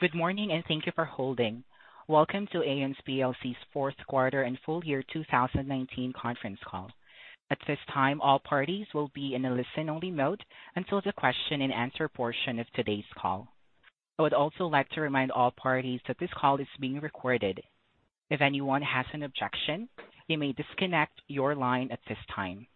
Good morning, and thank you for holding. Welcome to Aon plc's fourth quarter and full year 2019 conference call. At this time, all parties will be in a listen-only mode until the question and answer portion of today's call. I would also like to remind all parties that this call is being recorded. If anyone has an objection, you may disconnect your line at this time.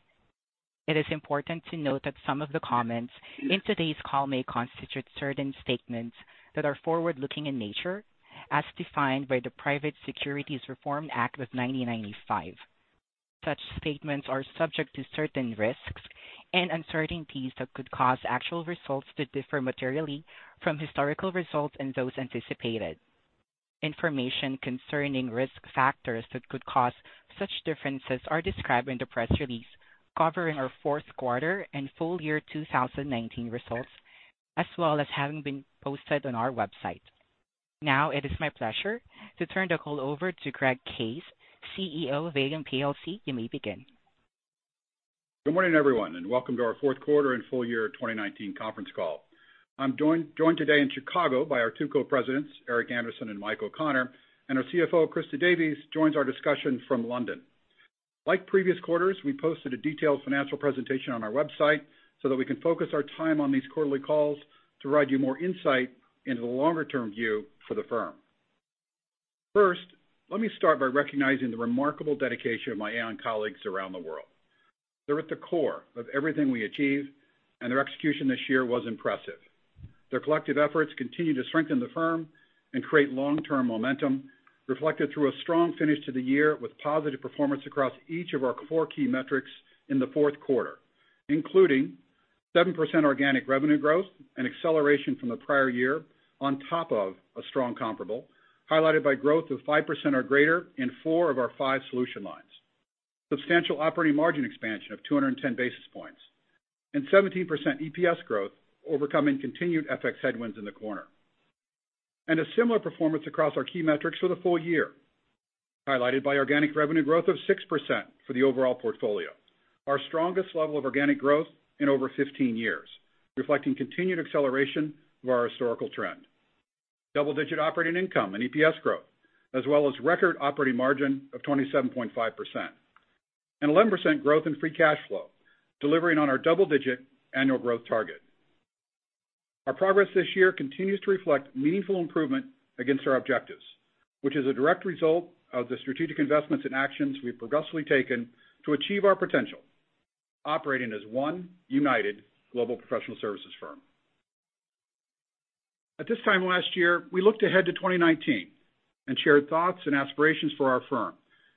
It is important to note that some of the comments in today's call may constitute certain statements that are forward-looking in nature, as defined by the Private Securities Litigation Reform Act of 1995. Such statements are subject to certain risks and uncertainties that could cause actual results to differ materially from historical results and those anticipated. Information concerning risk factors that could cause such differences are described in the press release covering our fourth quarter and full year 2019 results, as well as having been posted on our website. Now it is my pleasure to turn the call over to Greg Case, CEO of Aon plc. You may begin. Good morning, everyone, and welcome to our fourth quarter and full year 2019 conference call. I am joined today in Chicago by our two Co-Presidents, Eric Andersen and Michael O'Connor, and our CFO, Christa Davies, joins our discussion from London. Like previous quarters, we posted a detailed financial presentation on our website so that we can focus our time on these quarterly calls to provide you more insight into the longer-term view for the firm. First, let me start by recognizing the remarkable dedication of my Aon colleagues around the world. They are at the core of everything we achieve, and their execution this year was impressive. Their collective efforts continue to strengthen the firm and create long-term momentum, reflected through a strong finish to the year with positive performance across each of our four key metrics in the fourth quarter, including 7% organic revenue growth, an acceleration from the prior year on top of a strong comparable, highlighted by growth of 5% or greater in four of our five solution lines. Substantial operating margin expansion of 210 basis points, and 17% EPS growth overcoming continued FX headwinds in the quarter. A similar performance across our key metrics for the full year, highlighted by organic revenue growth of 6% for the overall portfolio, our strongest level of organic growth in over 15 years, reflecting continued acceleration of our historical trend. Double-digit operating income and EPS growth, as well as record operating margin of 27.5%. 11% growth in free cash flow, delivering on our double-digit annual growth target. Our progress this year continues to reflect meaningful improvement against our objectives, which is a direct result of the strategic investments and actions we've progressively taken to achieve our potential, operating as one united global professional services firm. At this time last year, we looked ahead to 2019 and shared thoughts and aspirations for our firm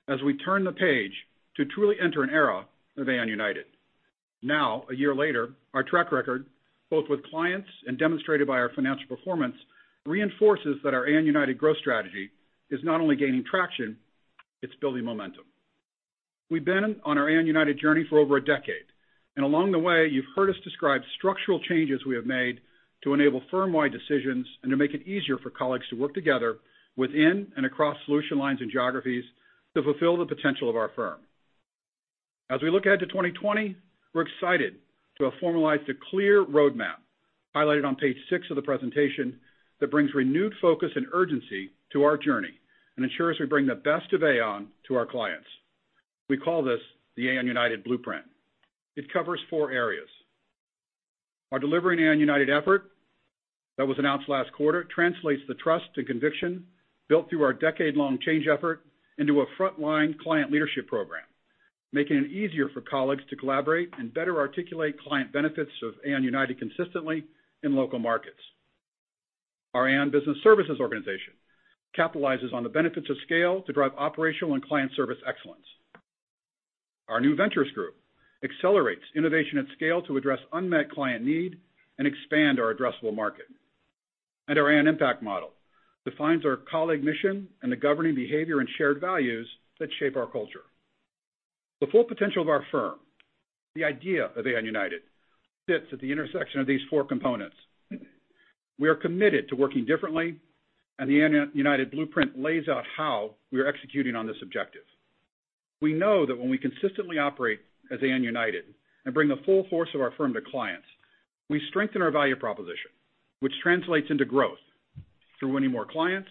as we turned the page to truly enter an era of Aon United. Now, a year later, our track record, both with clients and demonstrated by our financial performance, reinforces that our Aon United growth strategy is not only gaining traction, it's building momentum. We've been on our Aon United journey for over a decade. Along the way, you've heard us describe structural changes we have made to enable firm-wide decisions and to make it easier for colleagues to work together within and across solution lines and geographies to fulfill the potential of our firm. As we look ahead to 2020, we're excited to have formalized a clear roadmap, highlighted on page six of the presentation, that brings renewed focus and urgency to our journey and ensures we bring the best of Aon to our clients. We call this the Aon United Blueprint. It covers four areas. Our Delivering Aon United effort that was announced last quarter translates the trust to conviction built through our decade-long change effort into a frontline client leadership program, making it easier for colleagues to collaborate and better articulate client benefits of Aon United consistently in local markets. Our Aon Business Services organization capitalizes on the benefits of scale to drive operational and client service excellence. Our New Ventures Group accelerates innovation at scale to address unmet client need and expand our addressable market. Our Aon Impact Model defines our colleague mission and the governing behavior and shared values that shape our culture. The full potential of our firm, the idea of Aon United, sits at the intersection of these four components. We are committed to working differently, and the Aon United Blueprint lays out how we are executing on this objective. We know that when we consistently operate as Aon United and bring the full force of our firm to clients, we strengthen our value proposition, which translates into growth through winning more clients,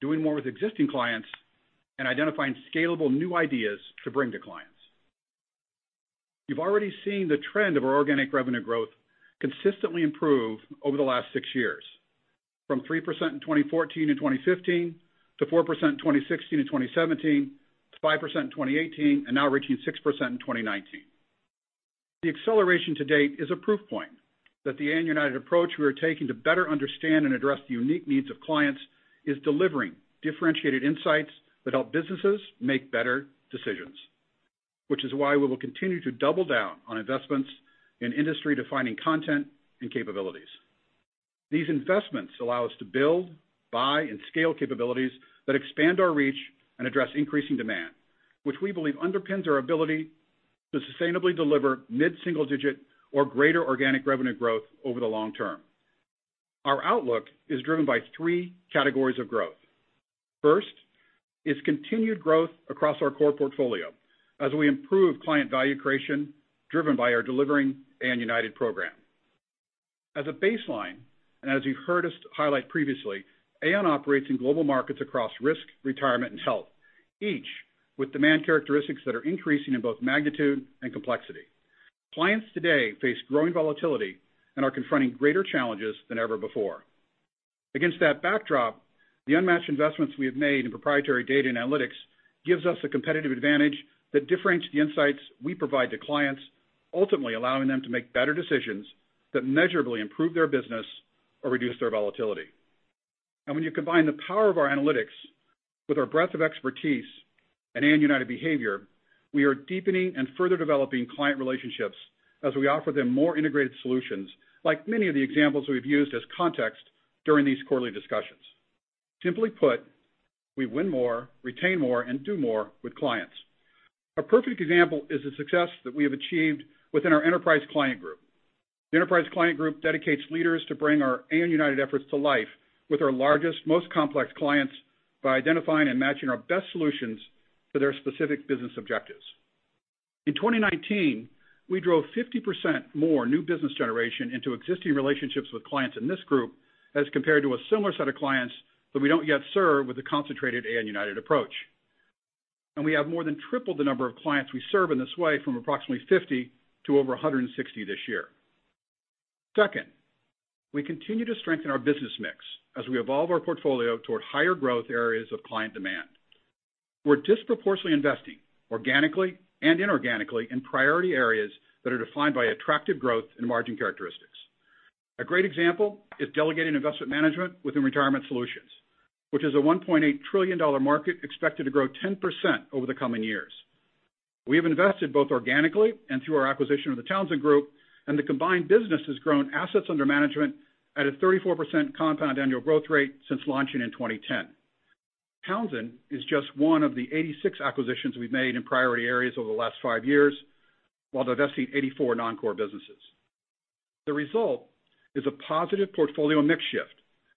doing more with existing clients, and identifying scalable new ideas to bring to clients. You've already seen the trend of our organic revenue growth consistently improve over the last six years, from 3% in 2014 to 2015, to 4% in 2016 to 2017, to 5% in 2018, and now reaching 6% in 2019. The acceleration to date is a proof point that the Aon United approach we are taking to better understand and address the unique needs of clients is delivering differentiated insights that help businesses make better decisions, which is why we will continue to double down on investments in industry-defining content and capabilities. These investments allow us to build, buy, and scale capabilities that expand our reach and address increasing demand, which we believe underpins our ability to sustainably deliver mid-single digit or greater organic revenue growth over the long term. Our outlook is driven by 3 categories of growth. First is continued growth across our core portfolio as we improve client value creation driven by our Delivering Aon United program. As a baseline, as you've heard us highlight previously, Aon operates in global markets across risk, retirement, and health, each with demand characteristics that are increasing in both magnitude and complexity. Clients today face growing volatility and are confronting greater challenges than ever before. Against that backdrop, the unmatched investments we have made in proprietary data and analytics gives us a competitive advantage that differentiates the insights we provide to clients, ultimately allowing them to make better decisions that measurably improve their business or reduce their volatility. When you combine the power of our analytics with our breadth of expertise and Aon United behavior, we are deepening and further developing client relationships as we offer them more integrated solutions, like many of the examples we've used as context during these quarterly discussions. Simply put, we win more, retain more, and do more with clients. A perfect example is the success that we have achieved within our Enterprise Client Group. The Enterprise Client Group dedicates leaders to bring our Aon United efforts to life with our largest, most complex clients by identifying and matching our best solutions to their specific business objectives. In 2019, we drove 50% more new business generation into existing relationships with clients in this group as compared to a similar set of clients that we don't yet serve with the concentrated Aon United approach. We have more than tripled the number of clients we serve in this way from approximately 50 to over 160 this year. Second, we continue to strengthen our business mix as we evolve our portfolio toward higher growth areas of client demand. We're disproportionately investing organically and inorganically in priority areas that are defined by attractive growth and margin characteristics. A great example is delegated investment management within retirement solutions, which is a $1.8 trillion market expected to grow 10% over the coming years. We have invested both organically and through our acquisition of The Townsend Group, and the combined business has grown assets under management at a 34% compound annual growth rate since launching in 2010. Townsend is just one of the 86 acquisitions we've made in priority areas over the last five years while divesting 84 non-core businesses. The result is a positive portfolio mix shift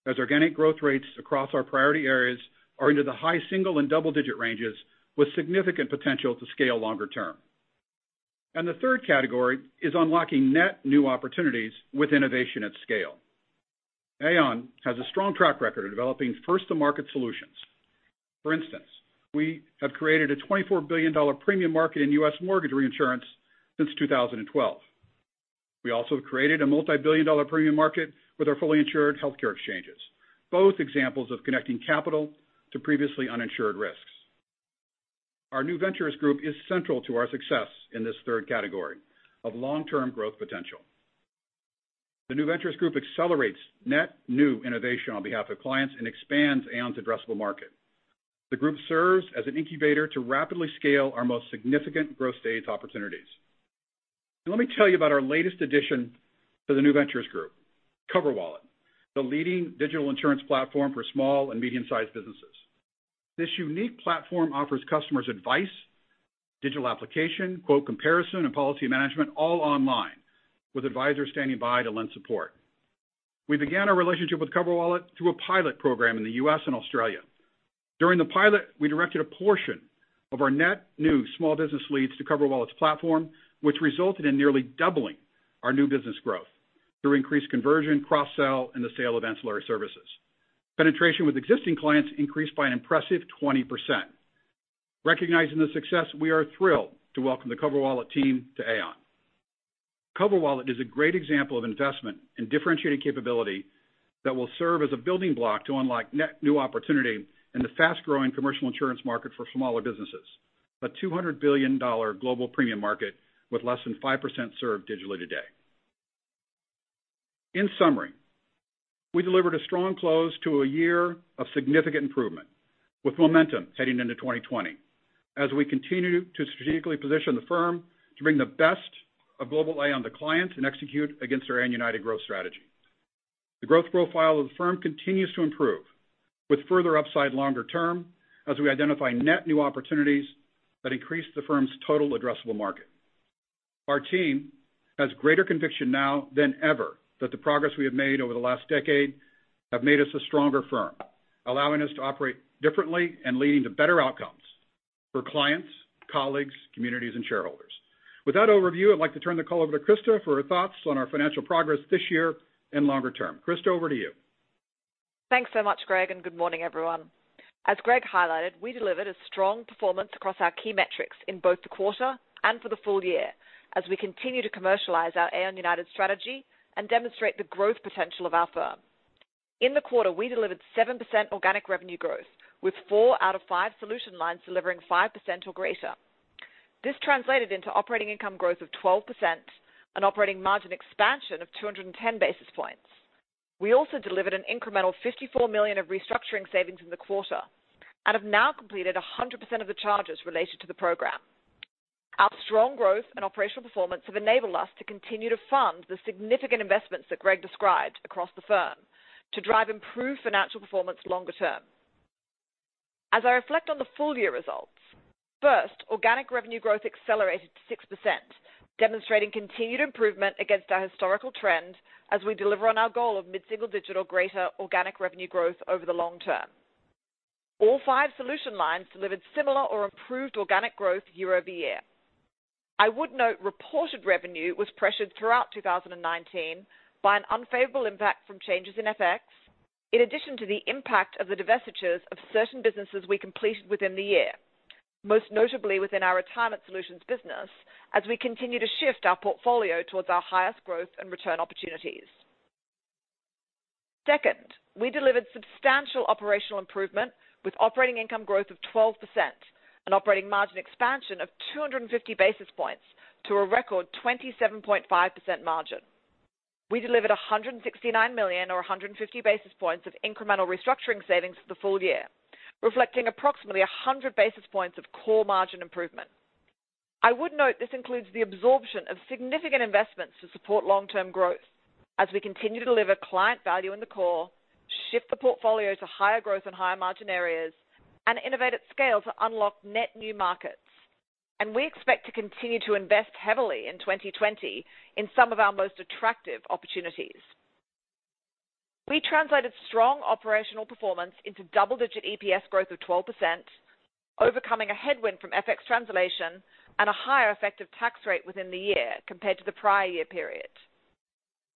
as organic growth rates across our priority areas are into the high single and double-digit ranges with significant potential to scale longer term. The third category is unlocking net new opportunities with innovation at scale. Aon has a strong track record of developing first-to-market solutions. For instance, we have created a $24 billion premium market in U.S. mortgage reinsurance since 2012. We also have created a multibillion-dollar premium market with our fully insured healthcare exchanges, both examples of connecting capital to previously uninsured risks. Our New Ventures Group is central to our success in this third category of long-term growth potential. The New Ventures Group accelerates net new innovation on behalf of clients and expands Aon's addressable market. The group serves as an incubator to rapidly scale our most significant growth stage opportunities. Let me tell you about our latest addition to the New Ventures Group, CoverWallet, the leading digital insurance platform for small and medium-sized businesses. This unique platform offers customers advice, digital application, quote comparison, and policy management all online, with advisors standing by to lend support. We began our relationship with CoverWallet through a pilot program in the U.S. and Australia. During the pilot, we directed a portion of our net new small business leads to CoverWallet's platform, which resulted in nearly doubling our new business growth through increased conversion, cross-sell, and the sale of ancillary services. Penetration with existing clients increased by an impressive 20%. Recognizing the success, we are thrilled to welcome the CoverWallet team to Aon. CoverWallet is a great example of investment in differentiated capability that will serve as a building block to unlock net new opportunity in the fast-growing commercial insurance market for smaller businesses, a $200 billion global premium market with less than 5% served digitally today. In summary, we delivered a strong close to a year of significant improvement with momentum heading into 2020 as we continue to strategically position the firm to bring the best of global Aon to client and execute against our Aon United growth strategy. The growth profile of the firm continues to improve with further upside longer term as we identify net new opportunities that increase the firm's total addressable market. Our team has greater conviction now than ever that the progress we have made over the last decade have made us a stronger firm, allowing us to operate differently and leading to better outcomes for clients, colleagues, communities, and shareholders. With that overview, I'd like to turn the call over to Christa for her thoughts on our financial progress this year and longer term. Christa, over to you. Thanks so much, Greg, and good morning, everyone. As Greg highlighted, we delivered a strong performance across our key metrics in both the quarter and for the full year as we continue to commercialize our Aon United strategy and demonstrate the growth potential of our firm. In the quarter, we delivered 7% organic revenue growth with four out of five solution lines delivering 5% or greater. This translated into operating income growth of 12% and operating margin expansion of 210 basis points. We also delivered an incremental $54 million of restructuring savings in the quarter and have now completed 100% of the charges related to the program. Our strong growth and operational performance have enabled us to continue to fund the significant investments that Greg described across the firm to drive improved financial performance longer term. As I reflect on the full year results, organic revenue growth accelerated to 6%, demonstrating continued improvement against our historical trend as we deliver on our goal of mid-single digit or greater organic revenue growth over the long term. All five solution lines delivered similar or improved organic growth year-over-year. I would note reported revenue was pressured throughout 2019 by an unfavorable impact from changes in FX, in addition to the impact of the divestitures of certain businesses we completed within the year, most notably within our retirement solutions business, as we continue to shift our portfolio towards our highest growth and return opportunities. We delivered substantial operational improvement with operating income growth of 12% and operating margin expansion of 250 basis points to a record 27.5% margin. We delivered $169 million or 150 basis points of incremental restructuring savings for the full year, reflecting approximately 100 basis points of core margin improvement. I would note this includes the absorption of significant investments to support long-term growth as we continue to deliver client value in the core, shift the portfolio to higher growth and higher margin areas, and innovate at scale to unlock net new markets, and we expect to continue to invest heavily in 2020 in some of our most attractive opportunities. We translated strong operational performance into double-digit EPS growth of 12%, overcoming a headwind from FX translation and a higher effective tax rate within the year compared to the prior year period.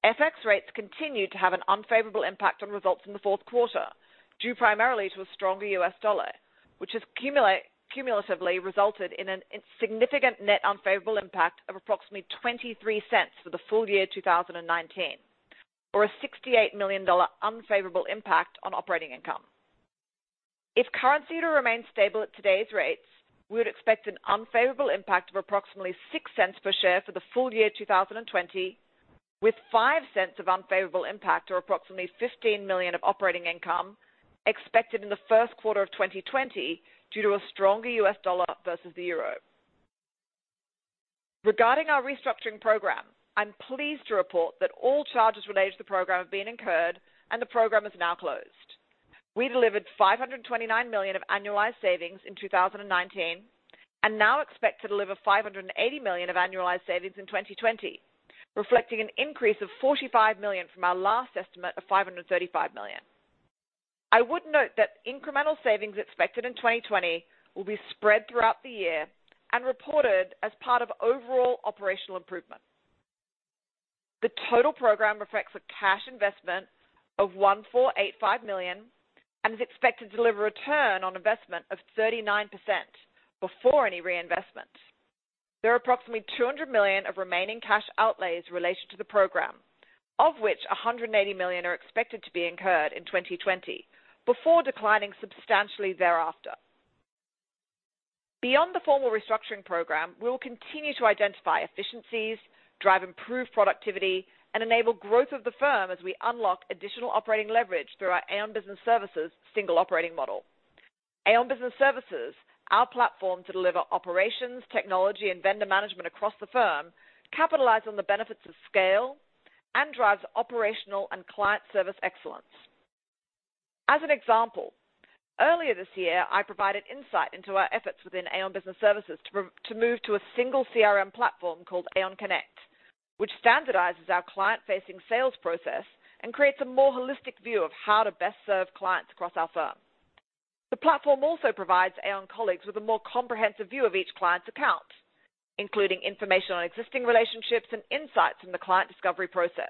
FX rates continued to have an unfavorable impact on results in the fourth quarter, due primarily to a stronger U.S. dollar, which has cumulatively resulted in a significant net unfavorable impact of approximately $0.23 for the full year 2019, or a $68 million unfavorable impact on operating income. If currency were to remain stable at today's rates, we would expect an unfavorable impact of approximately $0.06 per share for the full year 2020, with $0.05 of unfavorable impact or approximately $15 million of operating income expected in the first quarter of 2020 due to a stronger U.S. dollar versus the EUR. Regarding our restructuring program, I'm pleased to report that all charges related to the program have been incurred and the program is now closed. We delivered $529 million of annualized savings in 2019 and now expect to deliver $580 million of annualized savings in 2020, reflecting an increase of $45 million from our last estimate of $535 million. I would note that incremental savings expected in 2020 will be spread throughout the year and reported as part of overall operational improvement. The total program reflects a cash investment of $1,485 million and is expected to deliver a return on investment of 39% before any reinvestment. There are approximately $200 million of remaining cash outlays related to the program, of which $180 million are expected to be incurred in 2020 before declining substantially thereafter. Beyond the formal restructuring program, we will continue to identify efficiencies, drive improved productivity, and enable growth of the firm as we unlock additional operating leverage through our Aon Business Services single operating model. Aon Business Services, our platform to deliver operations, technology, and vendor management across the firm, capitalize on the benefits of scale, and drives operational and client service excellence. As an example, earlier this year, I provided insight into our efforts within Aon Business Services to move to a single CRM platform called Aon Connect, which standardizes our client-facing sales process and creates a more holistic view of how to best serve clients across our firm. The platform also provides Aon colleagues with a more comprehensive view of each client's account, including information on existing relationships and insights from the client discovery process,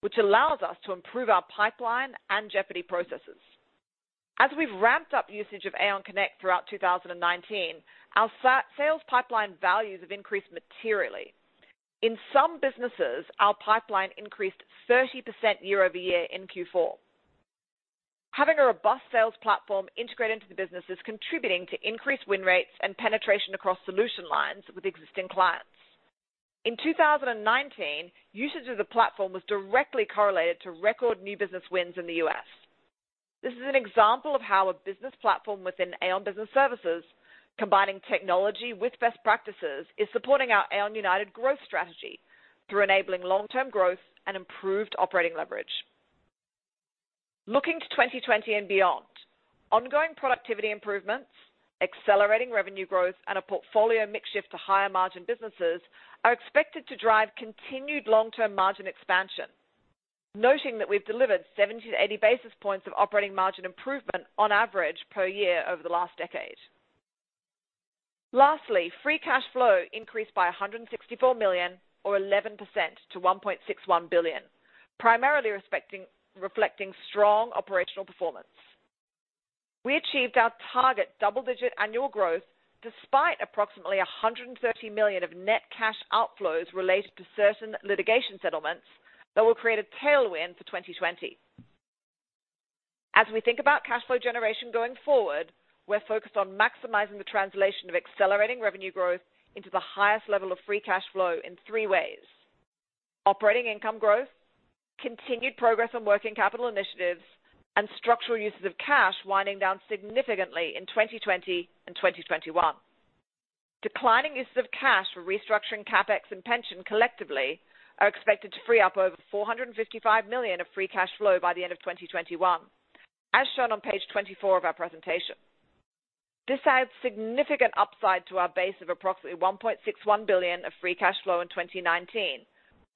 which allows us to improve our pipeline and jeopardy processes. As we've ramped up usage of Aon Connect throughout 2019, our sales pipeline values have increased materially. In some businesses, our pipeline increased 30% year-over-year in Q4. Having a robust sales platform integrated into the business is contributing to increased win rates and penetration across solution lines with existing clients. In 2019, usage of the platform was directly correlated to record new business wins in the U.S. This is an example of how a business platform within Aon Business Services, combining technology with best practices, is supporting our Aon United growth strategy through enabling long-term growth and improved operating leverage. Looking to 2020 and beyond, ongoing productivity improvements, accelerating revenue growth, and a portfolio mix shift to higher margin businesses are expected to drive continued long-term margin expansion. Noting that we've delivered 70 to 80 basis points of operating margin improvement on average per year over the last decade. Lastly, free cash flow increased by $164 million or 11% to $1.61 billion, primarily reflecting strong operational performance. We achieved our target double-digit annual growth despite approximately $130 million of net cash outflows related to certain litigation settlements that will create a tailwind for 2020. As we think about cash flow generation going forward, we're focused on maximizing the translation of accelerating revenue growth into the highest level of free cash flow in three ways: operating income growth, continued progress on working capital initiatives, and structural uses of cash winding down significantly in 2020 and 2021. Declining uses of cash for restructuring CapEx and pension collectively are expected to free up over $455 million of free cash flow by the end of 2021. As shown on page 24 of our presentation. This adds significant upside to our base of approximately $1.61 billion of free cash flow in 2019,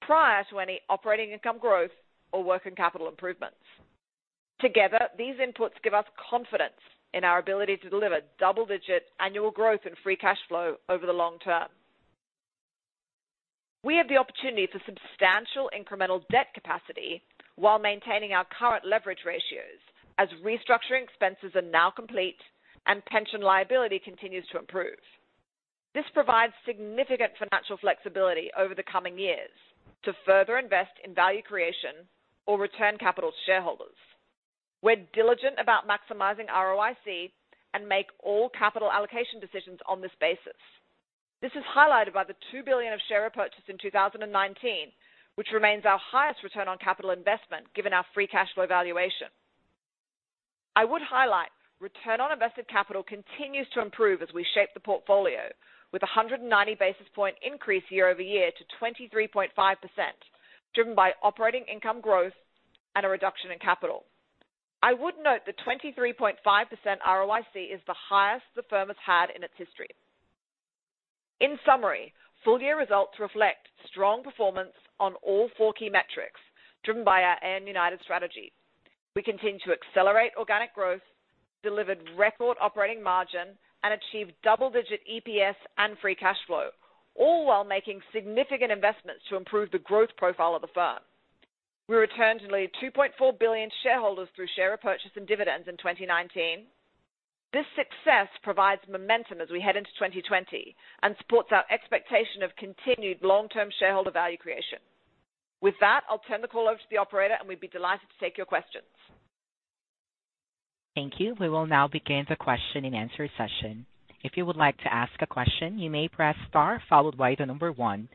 prior to any operating income growth or working capital improvements. Together, these inputs give us confidence in our ability to deliver double-digit annual growth in free cash flow over the long term. We have the opportunity for substantial incremental debt capacity while maintaining our current leverage ratios, as restructuring expenses are now complete and pension liability continues to improve. This provides significant financial flexibility over the coming years to further invest in value creation or return capital to shareholders. We're diligent about maximizing ROIC and make all capital allocation decisions on this basis. This is highlighted by the $2 billion of share repurchase in 2019, which remains our highest return on capital investment given our free cash flow valuation. I would highlight, return on invested capital continues to improve as we shape the portfolio, with 190 basis point increase year-over-year to 23.5%, driven by operating income growth and a reduction in capital. I would note that 23.5% ROIC is the highest the firm has had in its history. In summary, full-year results reflect strong performance on all four key metrics, driven by our Aon United strategy. We continue to accelerate organic growth, delivered record operating margin, and achieved double-digit EPS and free cash flow, all while making significant investments to improve the growth profile of the firm. We returned nearly $2.4 billion shareholders through share repurchase and dividends in 2019. This success provides momentum as we head into 2020 and supports our expectation of continued long-term shareholder value creation. With that, I'll turn the call over to the operator, and we'd be delighted to take your questions. Thank you. We will now begin the question and answer session. If you would like to ask a question, you may press star followed by the number 1.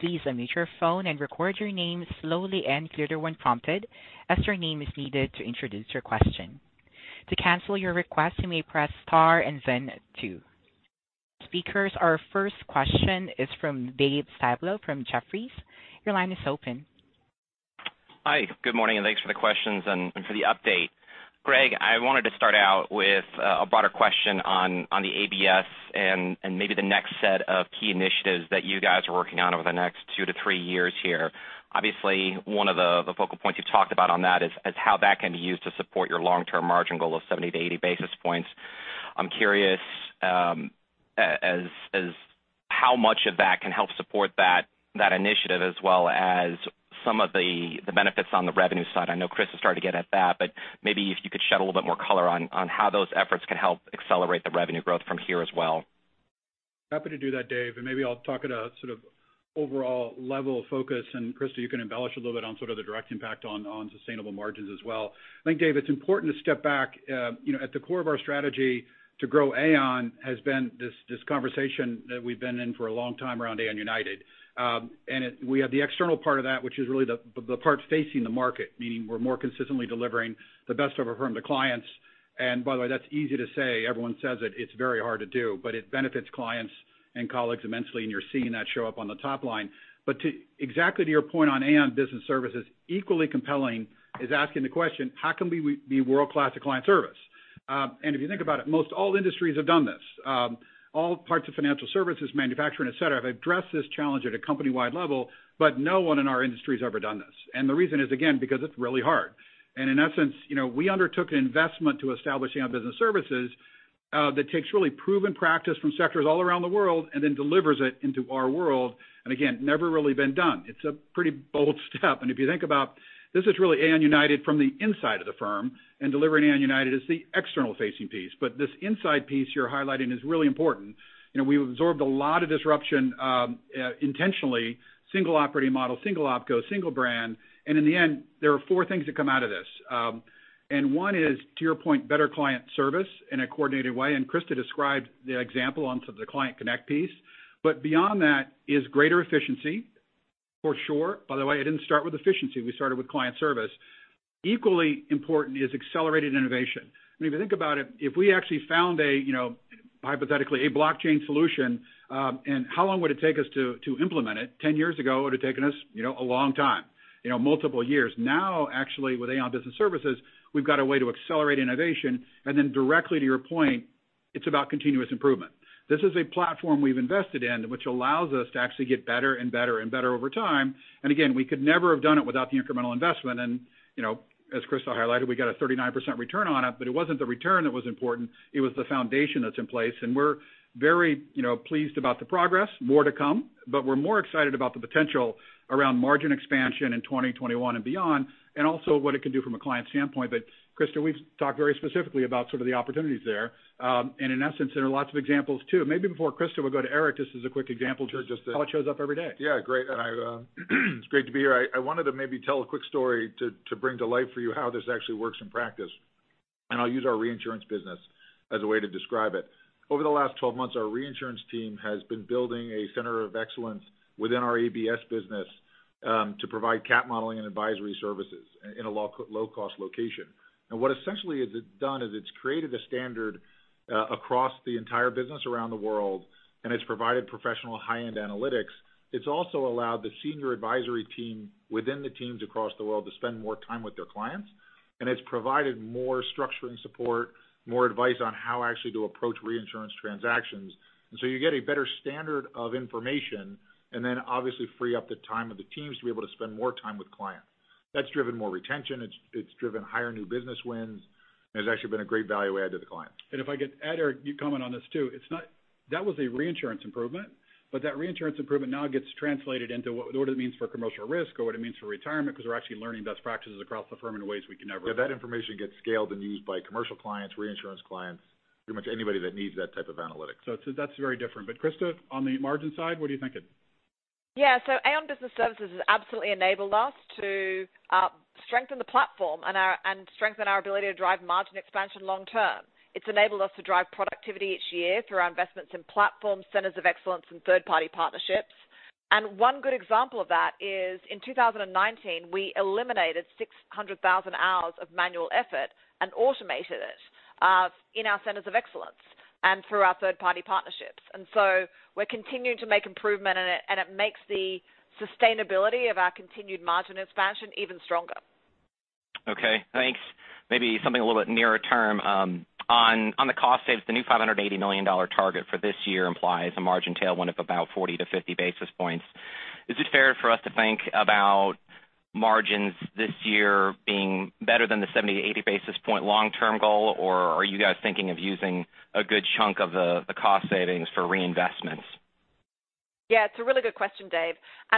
Please unmute your phone and record your name slowly and clearly when prompted, as your name is needed to introduce your question. To cancel your request, you may press star and then two. Speakers, our first question is from David Styblo from Jefferies. Your line is open. Hi, good morning. Thanks for the questions and for the update. Greg, I wanted to start out with a broader question on the ABS and maybe the next set of key initiatives that you guys are working on over the next two to three years here. Obviously, one of the focal points you've talked about on that is how that can be used to support your long-term margin goal of 70-80 basis points. I'm curious as how much of that can help support that initiative as well as some of the benefits on the revenue side. I know Christa is starting to get at that, but maybe if you could shed a little bit more color on how those efforts can help accelerate the revenue growth from here as well. Happy to do that, Dave. Maybe I'll talk at a sort of overall level of focus. Christa, you can embellish a little bit on sort of the direct impact on sustainable margins as well. I think, Dave, it's important to step back. At the core of our strategy to grow Aon has been this conversation that we've been in for a long time around Aon United. We have the external part of that, which is really the part facing the market, meaning we're more consistently delivering the best of our firm to clients. By the way, that's easy to say. Everyone says it. It's very hard to do, but it benefits clients and colleagues immensely, and you're seeing that show up on the top line. Exactly to your point on Aon Business Services, equally compelling is asking the question, how can we be world-class at client service? If you think about it, most all industries have done this. All parts of financial services, manufacturing, et cetera, have addressed this challenge at a company-wide level, but no one in our industry has ever done this. The reason is, again, because it's really hard. In essence, we undertook an investment to establish Aon Business Services that takes really proven practice from sectors all around the world and then delivers it into our world, and again, never really been done. It's a pretty bold step. If you think about it, this is really Aon United from the inside of the firm, and Delivering Aon United is the external-facing piece. This inside piece you're highlighting is really important. We've absorbed a lot of disruption intentionally, single operating model, single OpCo, single brand. In the end, there are four things that come out of this. One is, to your point, better client service in a coordinated way. Christa described the example on the Client Connect piece. Beyond that is greater efficiency for sure. By the way, I didn't start with efficiency. We started with client service. Equally important is accelerated innovation. If you think about it, if we actually found hypothetically a blockchain solution and how long would it take us to implement it? Ten years ago, it would have taken us a long time, multiple years. Now, actually, with Aon Business Services, we've got a way to accelerate innovation, directly to your point, it's about continuous improvement. This is a platform we've invested in which allows us to actually get better and better and better over time. Again, we could never have done it without the incremental investment. As Christa highlighted, we got a 39% return on it, but it wasn't the return that was important, it was the foundation that's in place. We're very pleased about the progress. More to come. We're more excited about the potential around margin expansion in 2021 and beyond, and also what it can do from a client standpoint. Christa, we've talked very specifically about sort of the opportunities there. In essence, there are lots of examples too. Maybe before Christa, we'll go to Eric just as a quick example how it shows up every day. Great. It's great to be here. I wanted to maybe tell a quick story to bring to life for you how this actually works in practice, and I'll use our reinsurance business as a way to describe it. Over the last 12 months, our reinsurance team has been building a center of excellence within our ABS business To provide CAT modeling and advisory services in a low-cost location. What essentially it has done is it's created a standard across the entire business around the world, and it's provided professional high-end analytics. It's also allowed the senior advisory team within the teams across the world to spend more time with their clients. It's provided more structure and support, more advice on how actually to approach reinsurance transactions. You get a better standard of information, and then obviously free up the time of the teams to be able to spend more time with clients. That's driven more retention, it's driven higher new business wins, and has actually been a great value add to the client. If I could add, Eric, you comment on this too. That was a reinsurance improvement, but that reinsurance improvement now gets translated into what it means for commercial risk or what it means for retirement because we're actually learning best practices across the firm in ways we can never. Yeah, that information gets scaled and used by commercial clients, reinsurance clients, pretty much anybody that needs that type of analytics. That's very different. Christa, on the margin side, what are you thinking? Aon Business Services has absolutely enabled us to strengthen the platform and strengthen our ability to drive margin expansion long term. It's enabled us to drive productivity each year through our investments in platform centers of excellence and third-party partnerships. One good example of that is in 2019, we eliminated 600,000 hours of manual effort and automated it in our centers of excellence and through our third-party partnerships. We're continuing to make improvement in it, and it makes the sustainability of our continued margin expansion even stronger. Okay, thanks. Maybe something a little bit nearer term. On the cost saves, the new $580 million target for this year implies a margin tailwind of about 40 to 50 basis points. Is it fair for us to think about margins this year being better than the 70 to 80 basis point long term goal? Are you guys thinking of using a good chunk of the cost savings for reinvestments? Yeah, it's a really good question, Dave.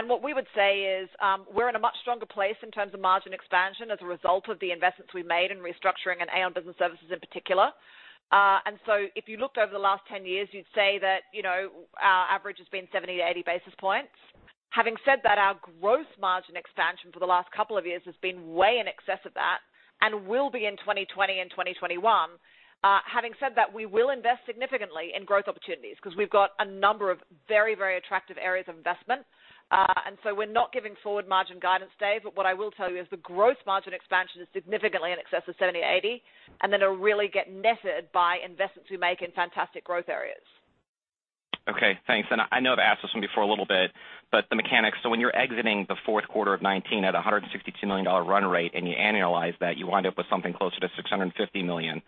What we would say is, we're in a much stronger place in terms of margin expansion as a result of the investments we made in restructuring and Aon Business Services in particular. If you looked over the last 10 years, you'd say that our average has been 70 to 80 basis points. Having said that, our gross margin expansion for the last couple of years has been way in excess of that and will be in 2020 and 2021. Having said that, we will invest significantly in growth opportunities because we've got a number of very, very attractive areas of investment. We're not giving forward margin guidance, Dave, what I will tell you is the gross margin expansion is significantly in excess of 70 to 80, and then it'll really get netted by investments we make in fantastic growth areas. Okay, thanks. I know I've asked this one before a little bit, but the mechanics. When you're exiting the fourth quarter of 2019 at $162 million run rate, you annualize that, you wind up with something closer to $650 million,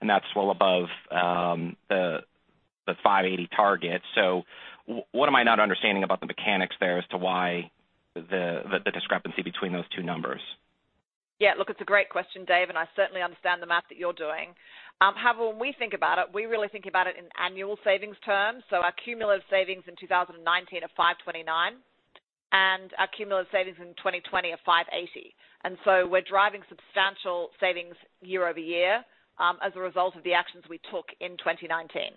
and that's well above the $580 target. What am I not understanding about the mechanics there as to why the discrepancy between those two numbers? Yeah, look, it's a great question, Dave, I certainly understand the math that you're doing. However, when we think about it, we really think about it in annual savings terms. Our cumulative savings in 2019 are $529, and our cumulative savings in 2020 are $580. We're driving substantial savings year-over-year as a result of the actions we took in 2019.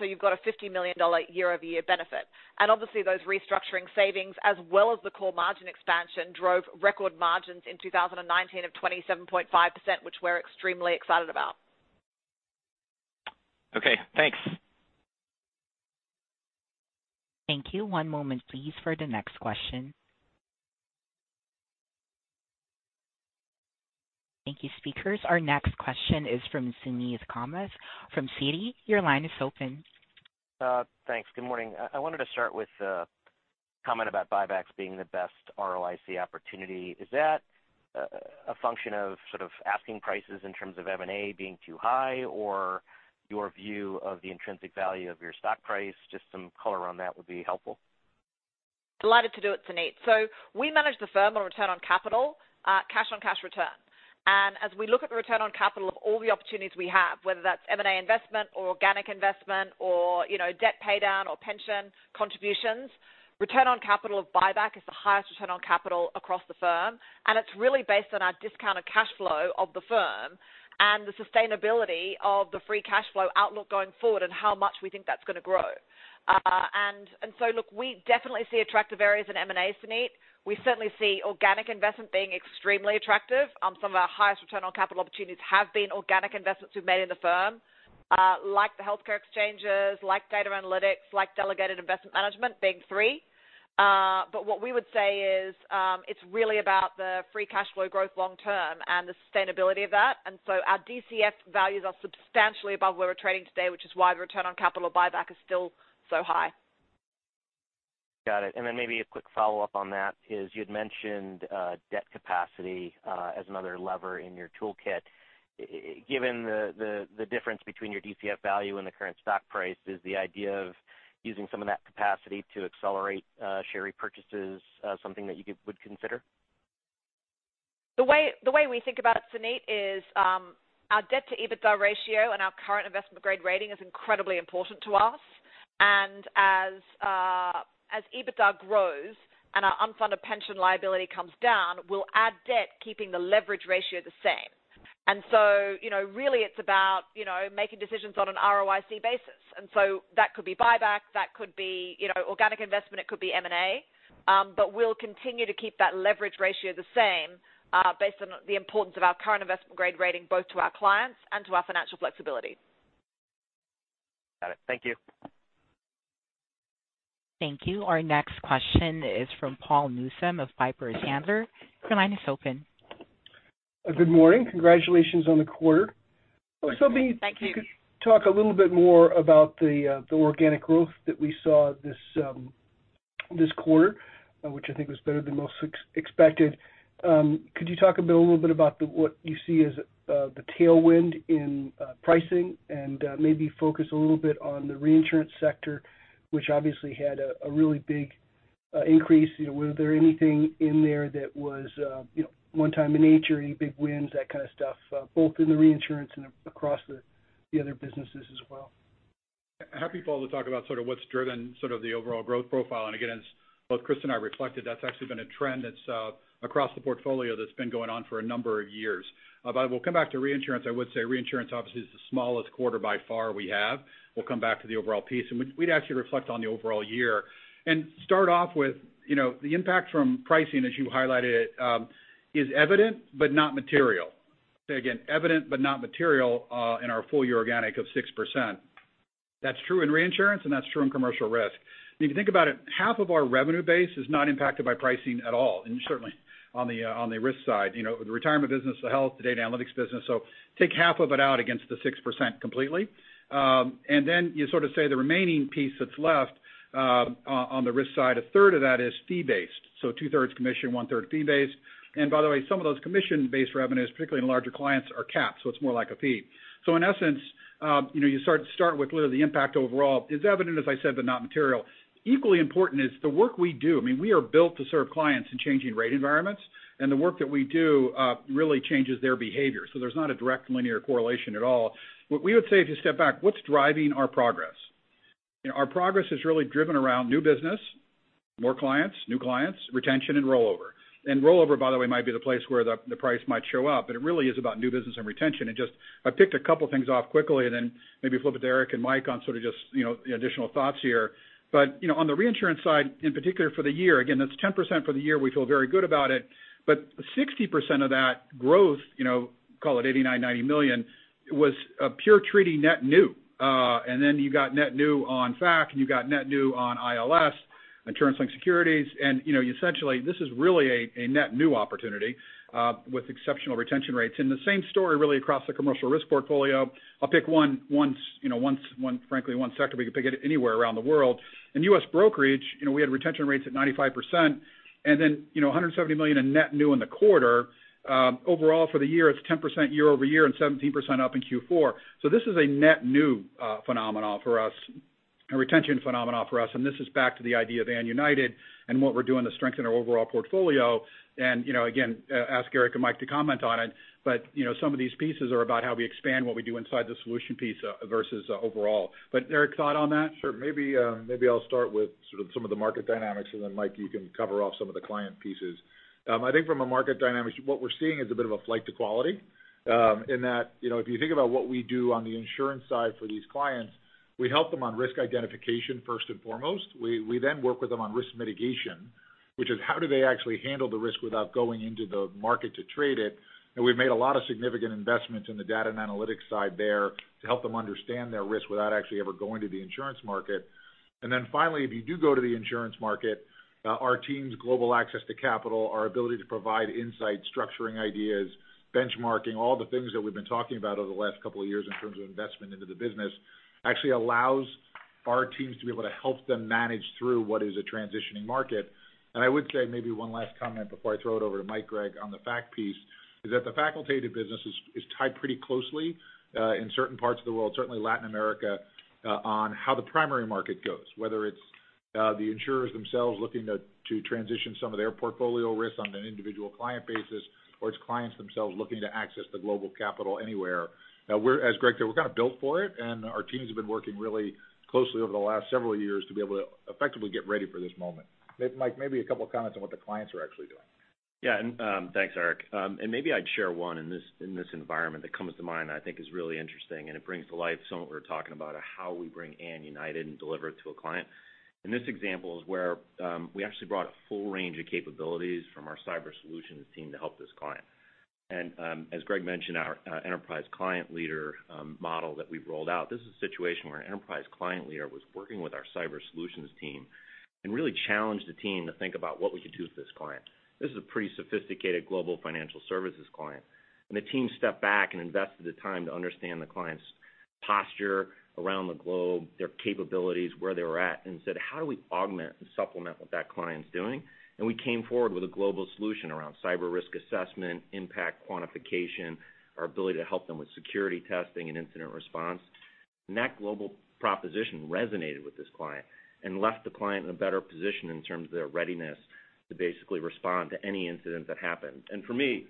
You've got a $50 million year-over-year benefit. Obviously those restructuring savings as well as the core margin expansion drove record margins in 2019 of 27.5%, which we're extremely excited about. Okay, thanks. Thank you. One moment please for the next question. Thank you, speakers. Our next question is from Suneet Kamath from Citi. Your line is open. Thanks. Good morning. I wanted to start with a comment about buybacks being the best ROIC opportunity. Is that a function of sort of asking prices in terms of M&A being too high or your view of the intrinsic value of your stock price? Just some color on that would be helpful. Delighted to do it, Suneet. We manage the firm on return on capital, cash on cash return. As we look at the return on capital of all the opportunities we have, whether that's M&A investment or organic investment or debt paydown or pension contributions, return on capital of buyback is the highest return on capital across the firm. It's really based on our discounted cash flow of the firm and the sustainability of the free cash flow outlook going forward and how much we think that's going to grow. Look, we definitely see attractive areas in M&A, Suneet. We certainly see organic investment being extremely attractive. Some of our highest return on capital opportunities have been organic investments we've made in the firm. Like the healthcare exchanges, like data analytics, like delegated investment management, big three. What we would say is, it's really about the free cash flow growth long term and the sustainability of that. Our DCF values are substantially above where we're trading today, which is why the return on capital buyback is still so high. Got it. Maybe a quick follow-up on that is you'd mentioned debt capacity as another lever in your toolkit. Given the difference between your DCF value and the current stock price, is the idea of using some of that capacity to accelerate share repurchases something that you would consider? The way we think about it, Suneet, is our debt to EBITDA ratio and our current investment grade rating is incredibly important to us. As EBITDA grows and our unfunded pension liability comes down, we'll add debt keeping the leverage ratio the same. Really it's about making decisions on an ROIC basis. That could be buyback, that could be organic investment, it could be M&A. We'll continue to keep that leverage ratio the same based on the importance of our current investment grade rating, both to our clients and to our financial flexibility. Thank you. Thank you. Our next question is from Paul Newsome of Piper Sandler. Your line is open. Good morning. Congratulations on the quarter. Thank you. I was hoping you could talk a little bit more about the organic growth that we saw this quarter, which I think was better than most expected. Could you talk a little bit about what you see as the tailwind in pricing and maybe focus a little bit on the reinsurance sector, which obviously had a really big increase? Was there anything in there that was one-time in nature, any big wins, that kind of stuff, both in the reinsurance and across the other businesses as well? Happy to talk about what's driven the overall growth profile. Again, as both Christa and I reflected, that's actually been a trend that's across the portfolio that's been going on for a number of years. We'll come back to reinsurance. I would say reinsurance obviously is the smallest quarter by far we have. We'll come back to the overall piece, and we'd actually reflect on the overall year and start off with the impact from pricing, as you highlighted, is evident, but not material. Say again, evident but not material in our full year organic of 6%. That's true in reinsurance, and that's true in commercial risk. If you think about it, half of our revenue base is not impacted by pricing at all, and certainly on the risk side. The retirement business, the health, the data analytics business. Take half of it out against the 6% completely. Then you say the remaining piece that's left on the risk side, a third of that is fee-based. Two-thirds commission, one-third fee-based. By the way, some of those commission-based revenues, particularly in larger clients, are capped, so it's more like a fee. In essence, you start with literally the impact overall is evident, as I said, but not material. Equally important is the work we do. We are built to serve clients in changing rate environments, and the work that we do really changes their behavior. There's not a direct linear correlation at all. What we would say, if you step back, what's driving our progress? Our progress is really driven around new business, more clients, new clients, retention, and rollover. Rollover, by the way, might be the place where the price might show up, but it really is about new business and retention. I picked a couple of things off quickly then maybe flip it to Eric and Mike on just the additional thoughts here. On the reinsurance side in particular for the year, again, that's 10% for the year. We feel very good about it, but 60% of that growth, call it $89 million-$90 million, was a pure treaty net new. Then you've got net new on FAC, and you've got net new on ILS, insurance-linked securities, and essentially this is really a net new opportunity with exceptional retention rates. The same story really across the commercial risk portfolio. I'll pick one frankly, one sector, we could pick it anywhere around the world. In U.S. brokerage, we had retention rates at 95% and then $170 million in net new in the quarter. Overall for the year, it's 10% year-over-year and 17% up in Q4. This is a net new phenomenon for us, a retention phenomenon for us. This is back to the idea of Aon United and what we're doing to strengthen our overall portfolio. Again, ask Eric and Mike to comment on it. Some of these pieces are about how we expand what we do inside the solution piece versus overall. Eric, thought on that? Sure. Maybe I'll start with some of the market dynamics, then Mike, you can cover off some of the client pieces. I think from a market dynamics, what we're seeing is a bit of a flight to quality in that if you think about what we do on the insurance side for these clients, we help them on risk identification first and foremost. We then work with them on risk mitigation, which is how do they actually handle the risk without going into the market to trade it? We've made a lot of significant investments in the data and analytics side there to help them understand their risk without actually ever going to the insurance market. Finally, if you do go to the insurance market, our team's global access to capital, our ability to provide insight, structuring ideas, benchmarking, all the things that we've been talking about over the last couple of years in terms of investment into the business, actually allows our teams to be able to help them manage through what is a transitioning market. I would say maybe one last comment before I throw it over to Mike, Greg, on the FAC piece, is that the facultative business is tied pretty closely in certain parts of the world, certainly Latin America, on how the primary market goes. Whether it's the insurers themselves looking to transition some of their portfolio risk on an individual client basis, or it's clients themselves looking to access the global capital anywhere. As Greg said, we're kind of built for it. Our teams have been working really closely over the last several years to be able to effectively get ready for this moment. Mike, maybe a couple of comments on what the clients are actually doing. Yeah. Thanks, Eric. Maybe I'd share one in this environment that comes to mind that I think is really interesting. It brings to life some of what we're talking about of how we bring Aon United and deliver it to a client. This example is where we actually brought a full range of capabilities from our cyber solutions team to help this client. As Greg mentioned, our Enterprise Client Leader model that we've rolled out, this is a situation where an Enterprise Client Leader was working with our cyber solutions team and really challenged the team to think about what we could do with this client. This is a pretty sophisticated global financial services client, and the team stepped back and invested the time to understand the client's posture around the globe, their capabilities, where they were at, and said, "How do we augment and supplement what that client's doing?" We came forward with a global solution around cyber risk assessment, impact quantification, our ability to help them with security testing and incident response. That global proposition resonated with this client and left the client in a better position in terms of their readiness to basically respond to any incident that happened. For me,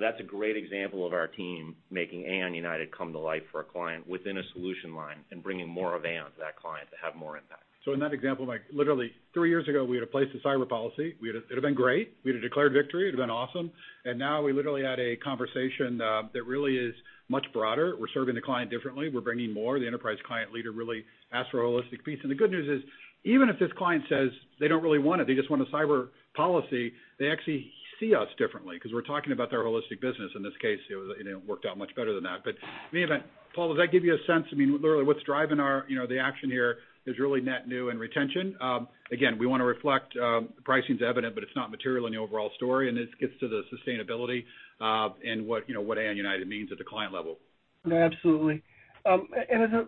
that's a great example of our team making Aon United come to life for a client within a solution line and bringing more of Aon to that client to have more impact. In that example, Mike, literally 3 years ago, we would've placed a cyber policy. It would've been great. We'd have declared victory. It would've been awesome. Now we literally had a conversation that really is much broader. We're serving the client differently. We're bringing more. The Enterprise Client Leader really asked for a holistic piece. The good news is, even if this client says they don't really want it, they just want a cyber policy, they actually see us differently because we're talking about their holistic business. In this case, it worked out much better than that. In any event, Paul, does that give you a sense? Literally what's driving the action here is really net new and retention. We want to reflect pricing's evident, but it's not material in the overall story, and this gets to the sustainability and what Aon United means at the client level. Absolutely. As a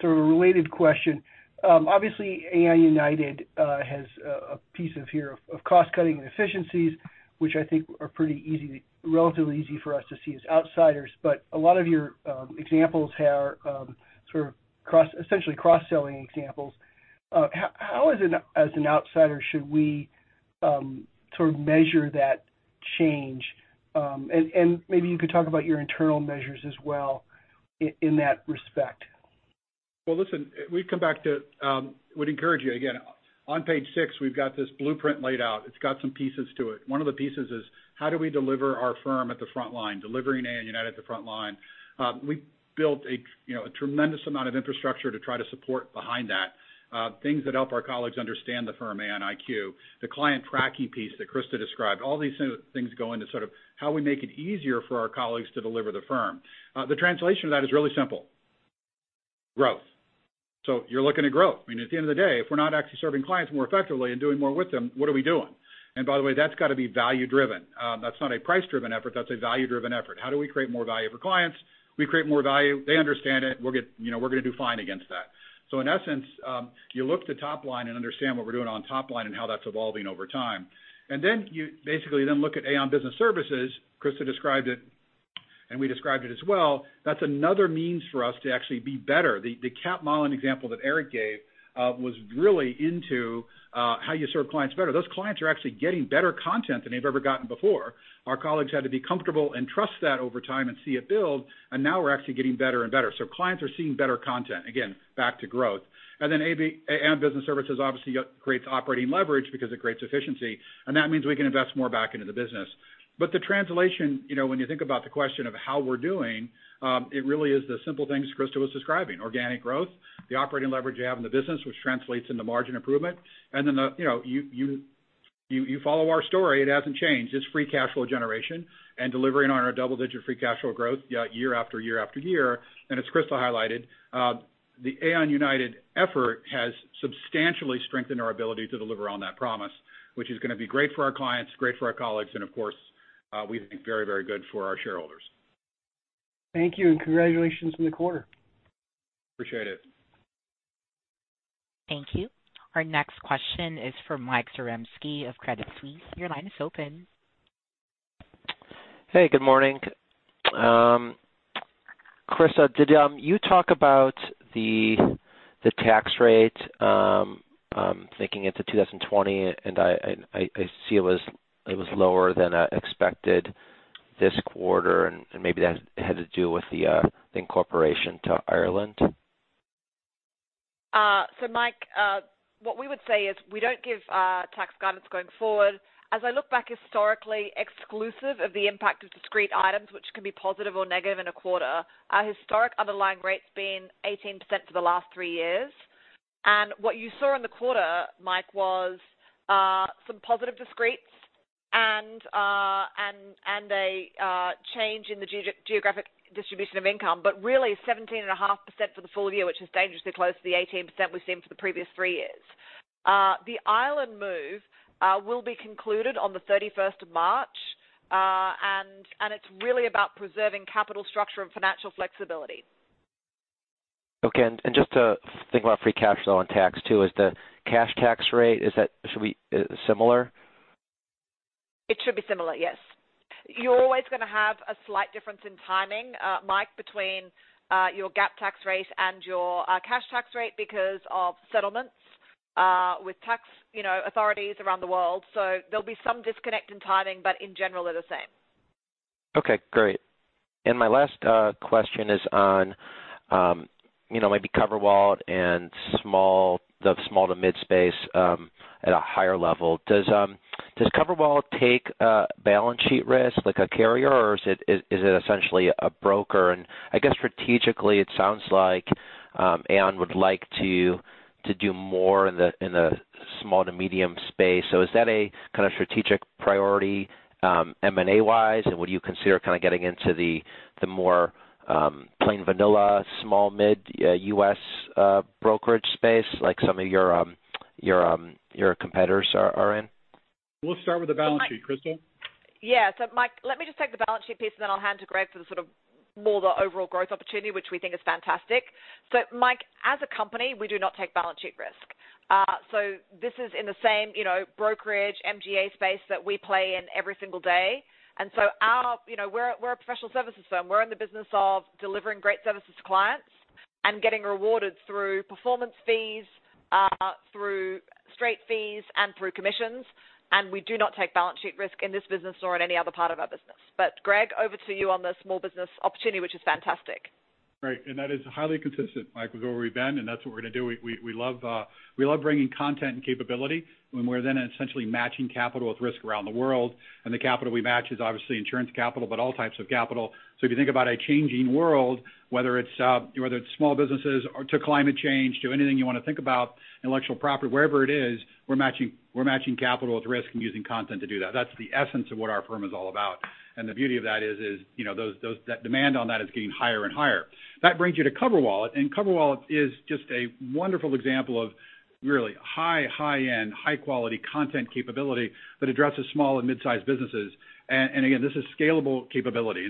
sort of related question, obviously Aon United has a piece of here of cost-cutting and efficiencies, which I think are relatively easy for us to see as outsiders. A lot of your examples are essentially cross-selling examples. How, as an outsider, should we measure that change? Maybe you could talk about your internal measures as well in that respect. Listen, we'd encourage you, again, on page six, we've got this Blueprint laid out. It's got some pieces to it. One of the pieces is how do we deliver our firm at the front line, delivering Aon United at the front line? We built a tremendous amount of infrastructure to try to support behind that. Things that help our colleagues understand the firm, Aon IQ, the client tracking piece that Christa described, all these things go into sort of how we make it easier for our colleagues to deliver the firm. The translation of that is really simple, growth. You're looking at growth. I mean, at the end of the day, if we're not actually serving clients more effectively and doing more with them, what are we doing? By the way, that's got to be value-driven. That's not a price-driven effort. That's a value-driven effort. How do we create more value for clients? We create more value. They understand it. We're going to do fine against that. In essence, you look to top line and understand what we're doing on top line and how that's evolving over time. You basically then look at Aon Business Services. Christa described it, and we described it as well. That's another means for us to actually be better. The CAT modeling example that Eric gave was really into how you serve clients better. Those clients are actually getting better content than they've ever gotten before. Our colleagues had to be comfortable and trust that over time and see it build, and now we're actually getting better and better. Clients are seeing better content. Back to growth. Aon Business Services obviously creates operating leverage because it creates efficiency, and that means we can invest more back into the business. The translation, when you think about the question of how we're doing, it really is the simple things Christa was describing, organic growth, the operating leverage you have in the business, which translates into margin improvement. You follow our story. It hasn't changed. It's free cash flow generation and delivering on our double-digit free cash flow growth year after year after year. As Christa highlighted, the Aon United effort has substantially strengthened our ability to deliver on that promise, which is going to be great for our clients, great for our colleagues, and of course, we think very good for our shareholders. Thank you, congratulations on the quarter. Appreciate it. Thank you. Our next question is from Michael Zaremski of Credit Suisse. Your line is open. Good morning. Christa, did you talk about the tax rate, thinking into 2020? I see it was lower than expected this quarter. Maybe that had to do with the incorporation to Ireland? Mike, what we would say is we don't give tax guidance going forward. As I look back historically, exclusive of the impact of discrete items, which can be positive or negative in a quarter, our historic underlying rate's been 18% for the last three years. What you saw in the quarter, Mike, was some positive discretes and a change in the geographic distribution of income, but really 17.5% for the full year, which is dangerously close to the 18% we've seen for the previous three years. The Ireland move will be concluded on the 31st of March, it's really about preserving capital structure and financial flexibility. Okay. Just to think about free cash flow and tax too, is the cash tax rate, should be similar? It should be similar, yes. You're always going to have a slight difference in timing, Mike, between your GAAP tax rate and your cash tax rate because of settlements with tax authorities around the world. There'll be some disconnect in timing, but in general, they're the same. Okay, great. My last question is on maybe CoverWallet and the small to mid-space at a higher level. Does CoverWallet take a balance sheet risk like a carrier, or is it essentially a broker? I guess strategically, it sounds like Aon would like to do more in the small to medium space. Is that a kind of strategic priority M&A-wise? Would you consider kind of getting into the more plain vanilla small mid-U.S. brokerage space like some of your competitors are in? We'll start with the balance sheet. Christa? Yeah. Mike, let me just take the balance sheet piece, then I'll hand to Greg for the sort of more the overall growth opportunity, which we think is fantastic. Mike, as a company, we do not take balance sheet risk. This is in the same brokerage MGA space that we play in every single day. We're a professional services firm. We're in the business of delivering great services to clients and getting rewarded through performance fees, through straight fees, and through commissions. We do not take balance sheet risk in this business nor in any other part of our business. Greg, over to you on the small business opportunity, which is fantastic. Right. That is highly consistent, Mike, with where we've been, and that's what we're going to do. We love bringing content and capability when we're then essentially matching capital with risk around the world. The capital we match is obviously insurance capital, but all types of capital. If you think about a changing world, whether it's small businesses to climate change to anything you want to think about, intellectual property, wherever it is, we're matching capital with risk and using content to do that. That's the essence of what our firm is all about. The beauty of that is that demand on that is getting higher and higher. That brings you to CoverWallet is just a wonderful example of really high-end, high-quality content capability that addresses small and mid-sized businesses. Again, this is scalable capability.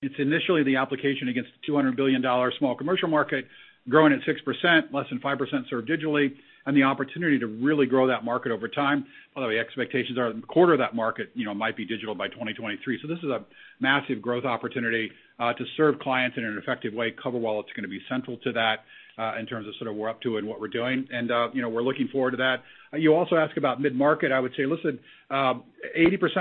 It's initially the application against the $200 billion small commercial market growing at 6%, less than 5% served digitally. The opportunity to really grow that market over time, although the expectations are a quarter of that market might be digital by 2023. This is a massive growth opportunity to serve clients in an effective way. CoverWallet is going to be central to that in terms of we're up to and what we're doing. We're looking forward to that. You also ask about mid-market. I would say, listen, 80%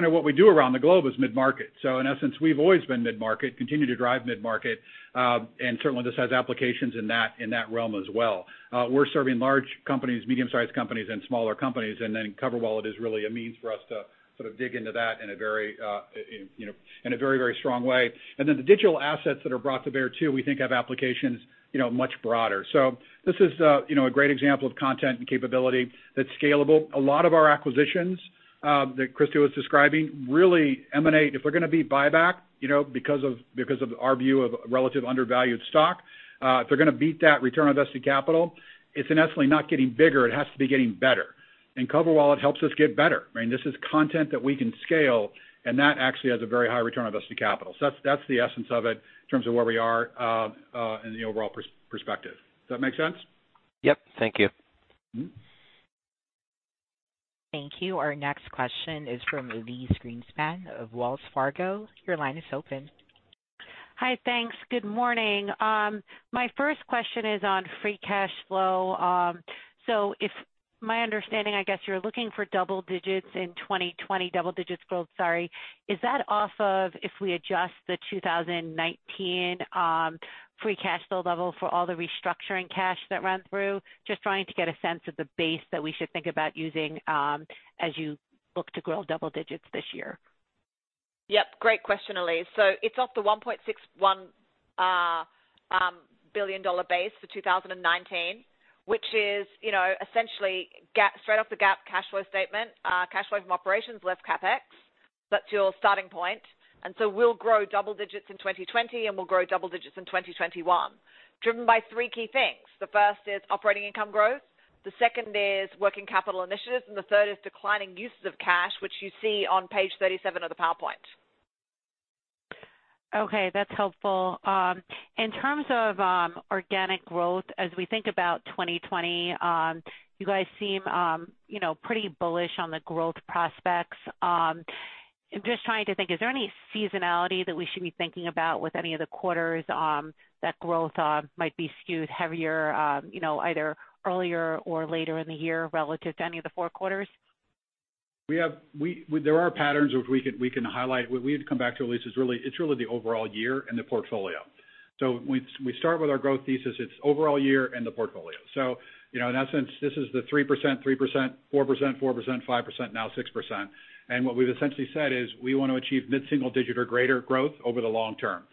of what we do around the globe is mid-market. In essence, we've always been mid-market, continue to drive mid-market, certainly this has applications in that realm as well. We're serving large companies, medium-sized companies, then CoverWallet is really a means for us to dig into that in a very, very strong way. Then the digital assets that are brought to bear too, we think have applications much broader. This is a great example of content and capability that's scalable. A lot of our acquisitions that Christa was describing really emanate if they're going to be buyback because of our view of relative undervalued stock. If they're going to beat that return on invested capital, it's necessarily not getting bigger, it has to be getting better. CoverWallet helps us get better. This is content that we can scale, that actually has a very high return on invested capital. That's the essence of it in terms of where we are in the overall perspective. Does that make sense? Yep. Thank you. Thank you. Our next question is from Elyse Greenspan of Wells Fargo. Your line is open. Hi. Thanks. Good morning. My first question is on free cash flow. If my understanding, I guess you're looking for double digits in 2020, double digits growth, sorry. Is that off of if we adjust the 2019 free cash flow level for all the restructuring cash that ran through? Just trying to get a sense of the base that we should think about using as you look to grow double digits this year. Yep. Great question, Elyse. It's off the $1.61 billion base for 2019, which is essentially straight off the GAAP cash flow statement, cash flow from operations less CapEx. That's your starting point. We'll grow double digits in 2020, and we'll grow double digits in 2021, driven by three key things. The first is operating income growth, the second is working capital initiatives, and the third is declining uses of cash, which you see on page 37 of the PowerPoint. Okay, that's helpful. In terms of organic growth, as we think about 2020, you guys seem pretty bullish on the growth prospects. I'm just trying to think, is there any seasonality that we should be thinking about with any of the quarters that growth might be skewed heavier, either earlier or later in the year relative to any of the four quarters? There are patterns which we can highlight. What we had to come back to, Elyse, it's really the overall year and the portfolio. We start with our growth thesis, it's overall year and the portfolio. In essence, this is the 3%, 3%, 4%, 4%, 5%, now 6%. What we've essentially said is we want to achieve mid-single digit or greater growth over the long term.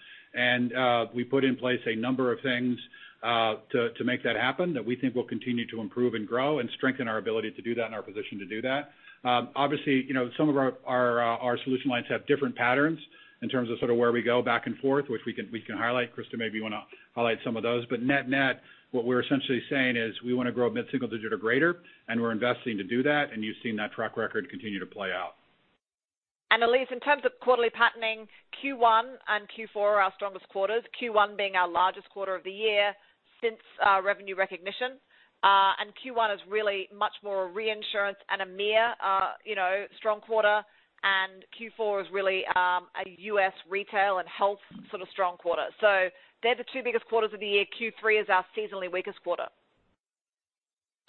We put in place a number of things to make that happen that we think will continue to improve and grow and strengthen our ability to do that and our position to do that. Obviously, some of our solution lines have different patterns in terms of where we go back and forth, which we can highlight. Christa, maybe you want to highlight some of those. net-net, what we're essentially saying is we want to grow mid-single digit or greater, and we're investing to do that, and you've seen that track record continue to play out. Elyse, in terms of quarterly patterning, Q1 and Q4 are our strongest quarters, Q1 being our largest quarter of the year since revenue recognition. Q1 is really much more a reinsurance and EMEA strong quarter, and Q4 is really a U.S. retail and health strong quarter. They're the two biggest quarters of the year. Q3 is our seasonally weakest quarter.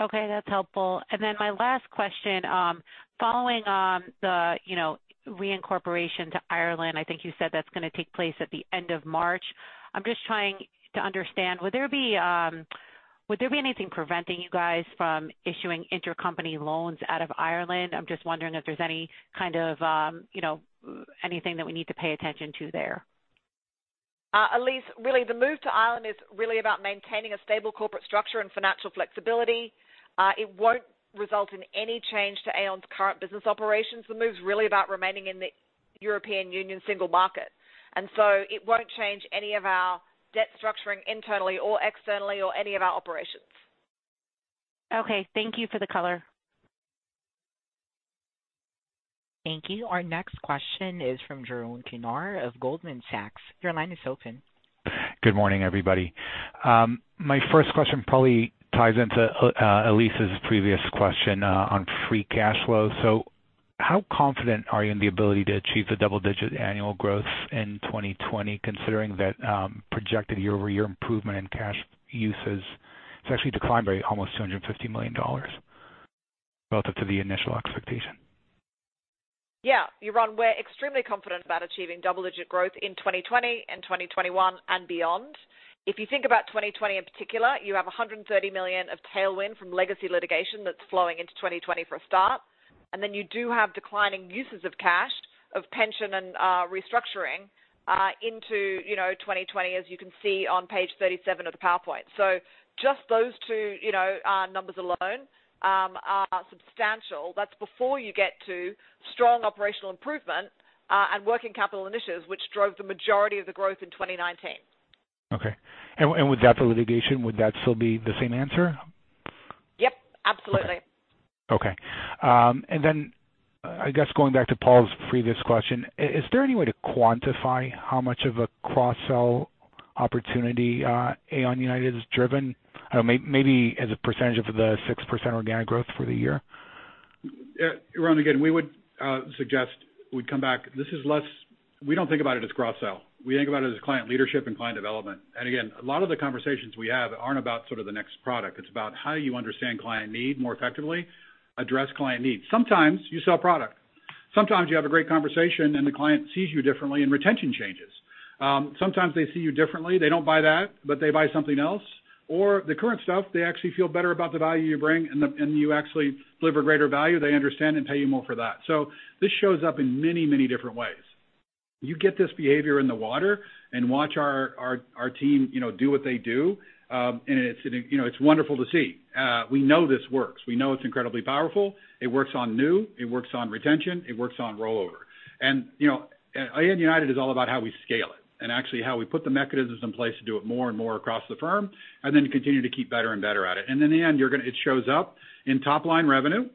Okay. That's helpful. Then my last question, following on the reincorporation to Ireland, I think you said that's going to take place at the end of March. I'm just trying to understand, would there be anything preventing you guys from issuing intercompany loans out of Ireland? I'm just wondering if there's anything that we need to pay attention to there. Elyse, really the move to Ireland is really about maintaining a stable corporate structure and financial flexibility. It won't result in any change to Aon's current business operations. The move's really about remaining in the European Union single market. It won't change any of our debt structuring internally or externally or any of our operations. Okay. Thank you for the color. Thank you. Our next question is from Yaron Kinar of Goldman Sachs. Your line is open. Good morning, everybody. My first question probably ties into Elyse's previous question on free cash flow. How confident are you in the ability to achieve the double-digit annual growth in 2020, considering that projected year-over-year improvement in cash uses has actually declined by almost $250 million relative to the initial expectation? Yeah. Yaron, we're extremely confident about achieving double-digit growth in 2020 and 2021 and beyond. If you think about 2020 in particular, you have $130 million of tailwind from legacy litigation that's flowing into 2020 for a start. You do have declining uses of cash, of pension and restructuring into 2020, as you can see on page 37 of the PowerPoint. Just those two numbers alone are substantial. That's before you get to strong operational improvement and working capital initiatives, which drove the majority of the growth in 2019. Okay. With that for litigation, would that still be the same answer? Yep, absolutely. Okay. I guess going back to Paul's previous question, is there any way to quantify how much of a cross-sell opportunity Aon United has driven? Maybe as a percentage of the 6% organic growth for the year. Ron, again, we would suggest we come back. We don't think about it as cross-sell. We think about it as client leadership and client development. Again, a lot of the conversations we have aren't about the next product. It's about how you understand client need more effectively, address client needs. Sometimes you sell product. Sometimes you have a great conversation and the client sees you differently and retention changes. Sometimes they see you differently. They don't buy that, but they buy something else. The current stuff, they actually feel better about the value you bring, and you actually deliver greater value. They understand and pay you more for that. This shows up in many different ways. You get this behavior in the water and watch our team do what they do. It's wonderful to see. We know this works. We know it's incredibly powerful. It works on new, it works on retention, it works on rollover. Aon United is all about how we scale it, and actually how we put the mechanisms in place to do it more and more across the firm, and then continue to keep better and better at it. In the end, it shows up in top-line revenue,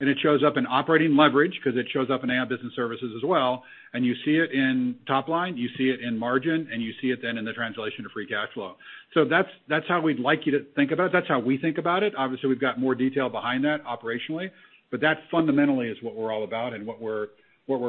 and it shows up in operating leverage because it shows up in Aon Business Services as well. You see it in top line, you see it in margin, and you see it then in the translation to free cash flow. That's how we'd like you to think about it. That's how we think about it. Obviously, we've got more detail behind that operationally, but that fundamentally is what we're all about and what we're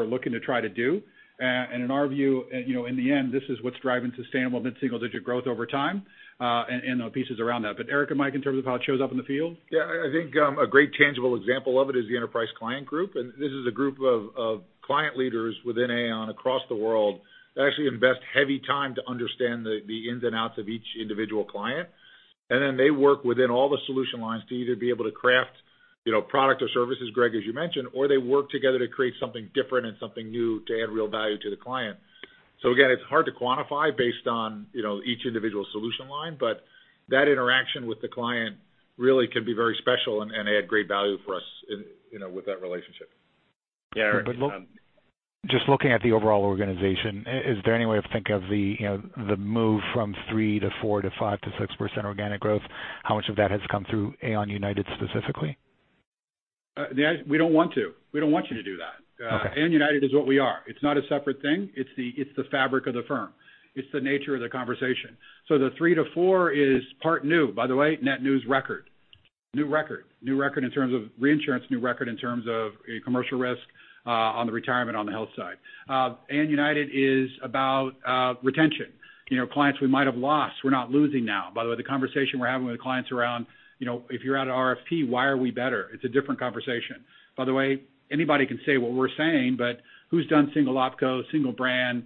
looking to try to do. In our view, in the end, this is what's driving sustainable mid-single-digit growth over time, and the pieces around that. Eric and Mike, in terms of how it shows up in the field? I think a great tangible example of it is the Enterprise Client Group. This is a group of client leaders within Aon across the world that actually invest heavy time to understand the ins and outs of each individual client. Then they work within all the solution lines to either be able to craft product or services, Greg, as you mentioned, or they work together to create something different and something new to add real value to the client. Again, it's hard to quantify based on each individual solution line, but that interaction with the client really can be very special and add great value for us with that relationship. Yeah. Just looking at the overall organization, is there any way to think of the move from three to four to five to 6% organic growth? How much of that has come through Aon United specifically? We don't want to. We don't want you to do that. Okay. Aon United is what we are. It's not a separate thing. It's the fabric of the firm. It's the nature of the conversation. The three to four is part new, by the way, net new's record. New record. New record in terms of reinsurance, new record in terms of commercial risk on the retirement on the health side. Aon United is about retention. Clients we might have lost, we're not losing now. By the way, the conversation we're having with clients around if you're at an RFP, why are we better? It's a different conversation. By the way, anybody can say what we're saying, but who's done single OpCo, single brand,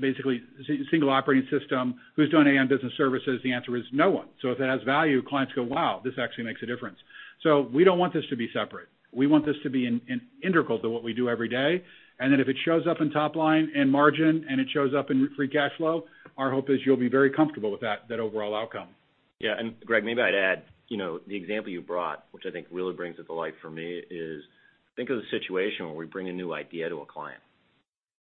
basically single operating system? Who's doing Aon Business Services? The answer is no one. If it has value, clients go, "Wow, this actually makes a difference." We don't want this to be separate. We want this to be integral to what we do every day. If it shows up in top line and margin, and it shows up in free cash flow, our hope is you'll be very comfortable with that overall outcome. Yeah. Greg, maybe I'd add, the example you brought, which I think really brings it to light for me is, think of the situation where we bring a new idea to a client.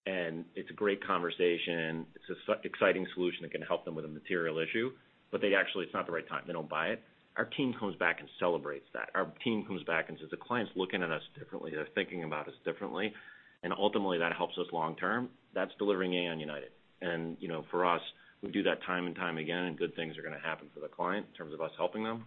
It's a great conversation. It's an exciting solution that can help them with a material issue, but they actually, it's not the right time. They don't buy it. Our team comes back and celebrates that. Our team comes back and says, "The client's looking at us differently. They're thinking about us differently." Ultimately, that helps us long term. That's Delivering Aon United. For us, we do that time and time again, and good things are going to happen for the client in terms of us helping them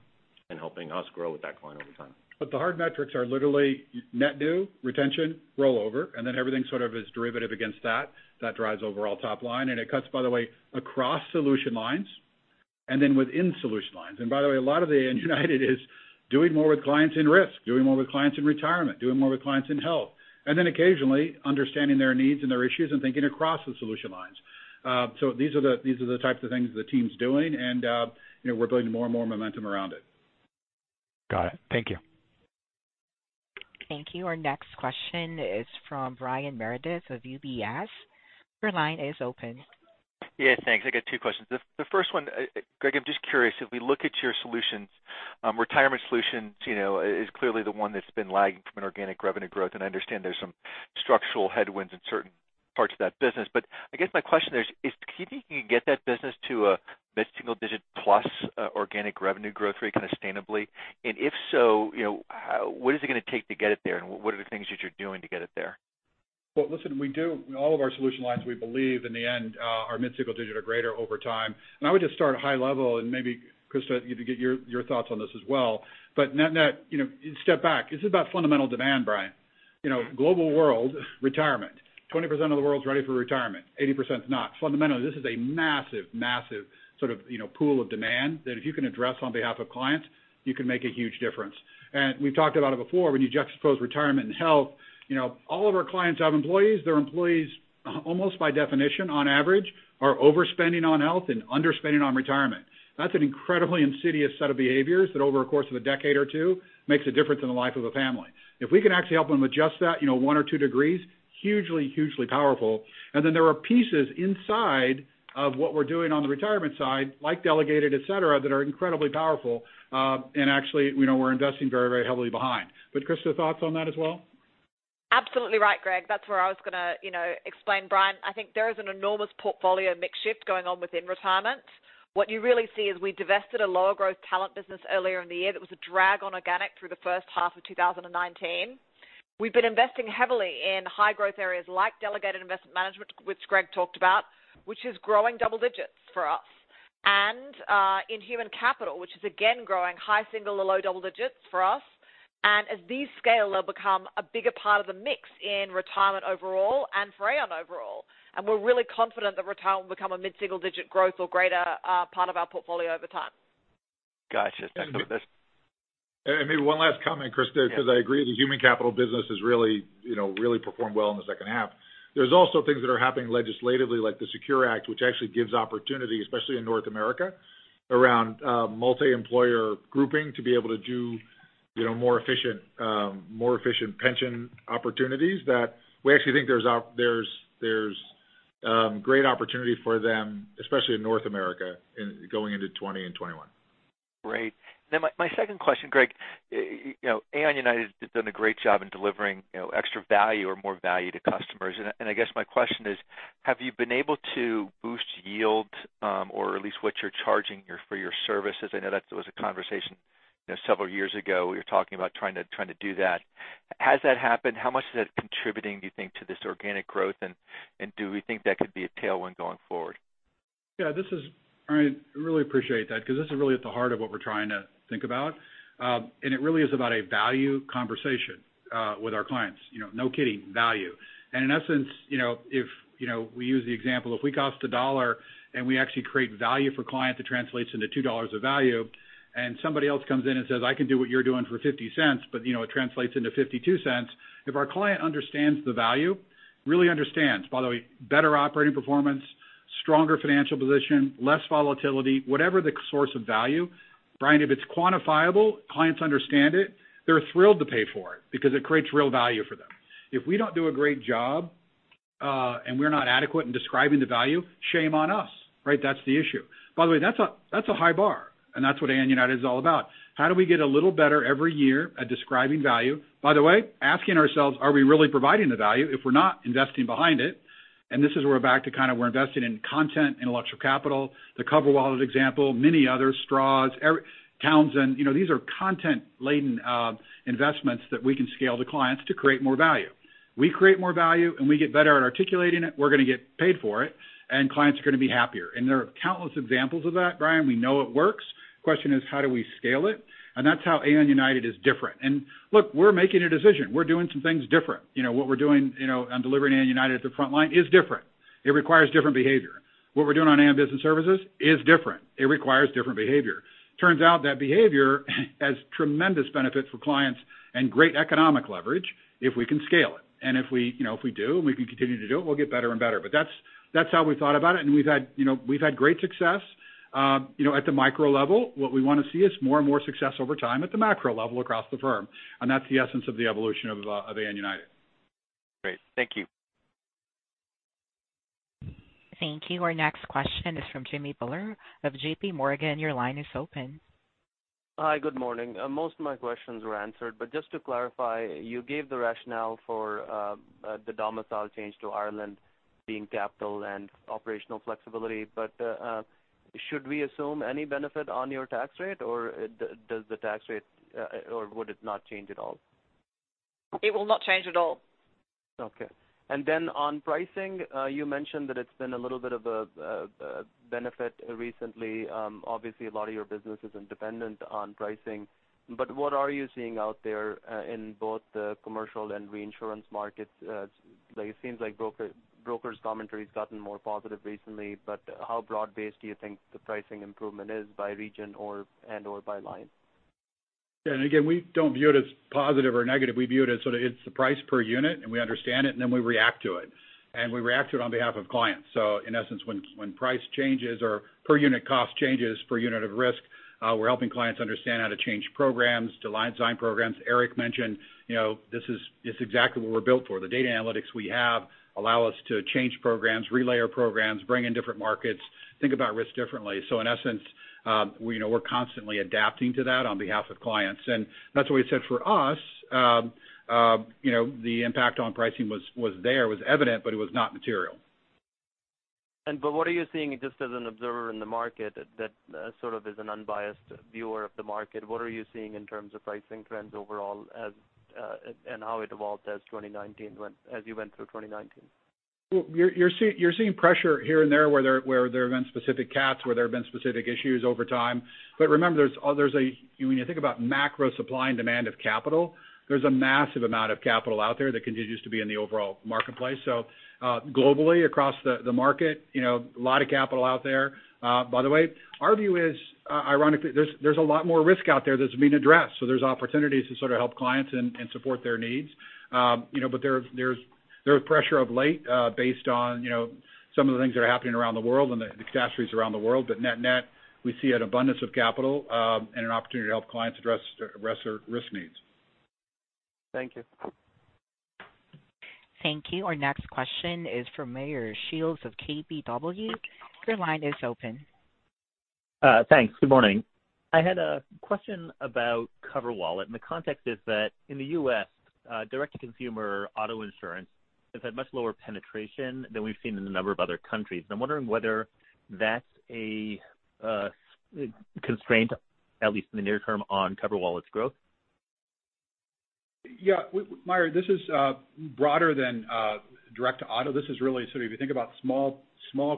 and helping us grow with that client over time. The hard metrics are literally net new, retention, rollover, and then everything sort of is derivative against that. That drives overall top line, and it cuts, by the way, across solution lines and then within solution lines. By the way, a lot of the Aon United is doing more with clients in risk, doing more with clients in retirement, doing more with clients in health, and then occasionally understanding their needs and their issues and thinking across the solution lines. These are the types of things the team's doing, and we're building more and more momentum around it. Got it. Thank you. Thank you. Our next question is from Brian Meredith of UBS. Your line is open. Thanks. I got 2 questions. The first one, Greg, I'm just curious, if we look at your solutions, Retirement Solutions is clearly the one that's been lagging from an organic revenue growth, and I understand there's some structural headwinds in certain parts of that business. I guess my question there is, do you think you can get that business to a mid-single digit plus organic revenue growth rate kind of sustainably? If so, what is it going to take to get it there, and what are the things that you're doing to get it there? Well, listen, all of our solution lines, we believe in the end are mid-single digit or greater over time. I would just start high level and maybe Christa, if you could get your thoughts on this as well. Net net, step back. This is about fundamental demand, Brian. Global world, retirement. 20% of the world is ready for retirement, 80% is not. Fundamentally, this is a massive pool of demand that if you can address on behalf of clients, you can make a huge difference. We've talked about it before, when you juxtapose retirement and health, all of our clients have employees. Their employees, almost by definition, on average, are overspending on health and underspending on retirement. That's an incredibly insidious set of behaviors that over a course of a decade or two makes a difference in the life of a family. If we can actually help them adjust that one or two degrees, hugely powerful. Then there are pieces inside of what we're doing on the retirement side, like delegated, et cetera, that are incredibly powerful. Actually, we're investing very heavily behind. Christa, thoughts on that as well? Absolutely right, Greg. That's where I was going to explain, Brian. I think there is an enormous portfolio mix shift going on within retirement. What you really see is we divested a lower growth talent business earlier in the year that was a drag on organic through the first half of 2019. We've been investing heavily in high growth areas like delegated investment management, which Greg talked about, which is growing double digits for us. In human capital, which is again growing high single to low double digits for us. As these scale, they'll become a bigger part of the mix in retirement overall and for Aon overall. We're really confident that retirement will become a mid-single digit growth or greater part of our portfolio over time. Got you. Thanks for this. Maybe one last comment, Christa there, because I agree, the human capital business has really performed well in the second half. There's also things that are happening legislatively, like the SECURE Act, which actually gives opportunity, especially in North America, around multi-employer grouping to be able to do more efficient pension opportunities that we actually think there's great opportunity for them, especially in North America going into 2020 and 2021. Great. My second question, Greg. Aon United has done a great job in delivering extra value or more value to customers. I guess my question is, have you been able to boost yield or at least what you're charging for your services? I know that was a conversation several years ago. We were talking about trying to do that. Has that happened? How much is that contributing, do you think, to this organic growth, and do we think that could be a tailwind going forward? Yeah. I really appreciate that because this is really at the heart of what we're trying to think about. It really is about a value conversation with our clients. No kidding, value. In essence, if we use the example, if we cost $1 and we actually create value for client that translates into $2 of value, and somebody else comes in and says, "I can do what you're doing for $0.50," but it translates into $0.52. If our client understands the value, really understands, by the way, better operating performance, stronger financial position, less volatility, whatever the source of value, Brian, if it's quantifiable, clients understand it, they're thrilled to pay for it because it creates real value for them. If we don't do a great job, and we're not adequate in describing the value, shame on us. That's the issue. By the way, that's a high bar, and that's what Aon United is all about. How do we get a little better every year at describing value? By the way, asking ourselves, are we really providing the value if we're not investing behind it? This is where we're back to we're investing in content, intellectual capital, the CoverWallet example, many others, Stroz, Townsend. These are content-laden investments that we can scale to clients to create more value. We create more value, and we get better at articulating it, we're going to get paid for it, and clients are going to be happier. There are countless examples of that, Brian. We know it works. Question is, how do we scale it? That's how Aon United is different. Look, we're making a decision. We're doing some things different. What we're doing on Delivering Aon United at the frontline is different. It requires different behavior. What we're doing on Aon Business Services is different. It requires different behavior. Turns out that behavior has tremendous benefit for clients and great economic leverage if we can scale it. If we do, and we can continue to do it, we'll get better and better. That's how we thought about it, and we've had great success at the micro level. What we want to see is more and more success over time at the macro level across the firm, and that's the essence of the evolution of Aon United. Great. Thank you. Thank you. Our next question is from Jimmy Bhullar of J.P. Morgan. Your line is open. Hi. Good morning. Most of my questions were answered, just to clarify, you gave the rationale for the domicile change to Ireland being capital and operational flexibility. Should we assume any benefit on your tax rate, or would it not change at all? It will not change at all. Okay. On pricing, you mentioned that it's been a little bit of a benefit recently. Obviously, a lot of your business isn't dependent on pricing. What are you seeing out there in both the commercial and reinsurance markets? It seems like brokers' commentary has gotten more positive recently, but how broad-based do you think the pricing improvement is by region and/or by line? Yeah. Again, we don't view it as positive or negative. We view it as it's the price per unit, and we understand it. Then we react to it. We react to it on behalf of clients. In essence, when price changes or per unit cost changes per unit of risk, we're helping clients understand how to change programs to line design programs. Eric mentioned, this is exactly what we're built for. The data analytics we have allow us to change programs, re-layer programs, bring in different markets, think about risk differently. In essence, we're constantly adapting to that on behalf of clients. That's why we said for us, the impact on pricing was there, was evident, but it was not material. What are you seeing just as an observer in the market that sort of is an unbiased viewer of the market? What are you seeing in terms of pricing trends overall and how it evolved as you went through 2019? You're seeing pressure here and there where there have been specific cats, where there have been specific issues over time. Remember, when you think about macro supply and demand of capital, there's a massive amount of capital out there that continues to be in the overall marketplace. Globally across the market, a lot of capital out there. By the way, our view is, ironically, there's a lot more risk out there that's being addressed. There's opportunities to sort of help clients and support their needs. There's pressure of late based on some of the things that are happening around the world and the catastrophes around the world. Net-net, we see an abundance of capital and an opportunity to help clients address their risk needs. Thank you. Thank you. Our next question is from Meyer Shields of KBW. Your line is open. Thanks. Good morning. I had a question about CoverWallet, and the context is that in the U.S., direct-to-consumer auto insurance has had much lower penetration than we've seen in a number of other countries, and I'm wondering whether that's a constraint, at least in the near term, on CoverWallet's growth. Meyer, this is broader than direct to auto. This is really sort of, if you think about small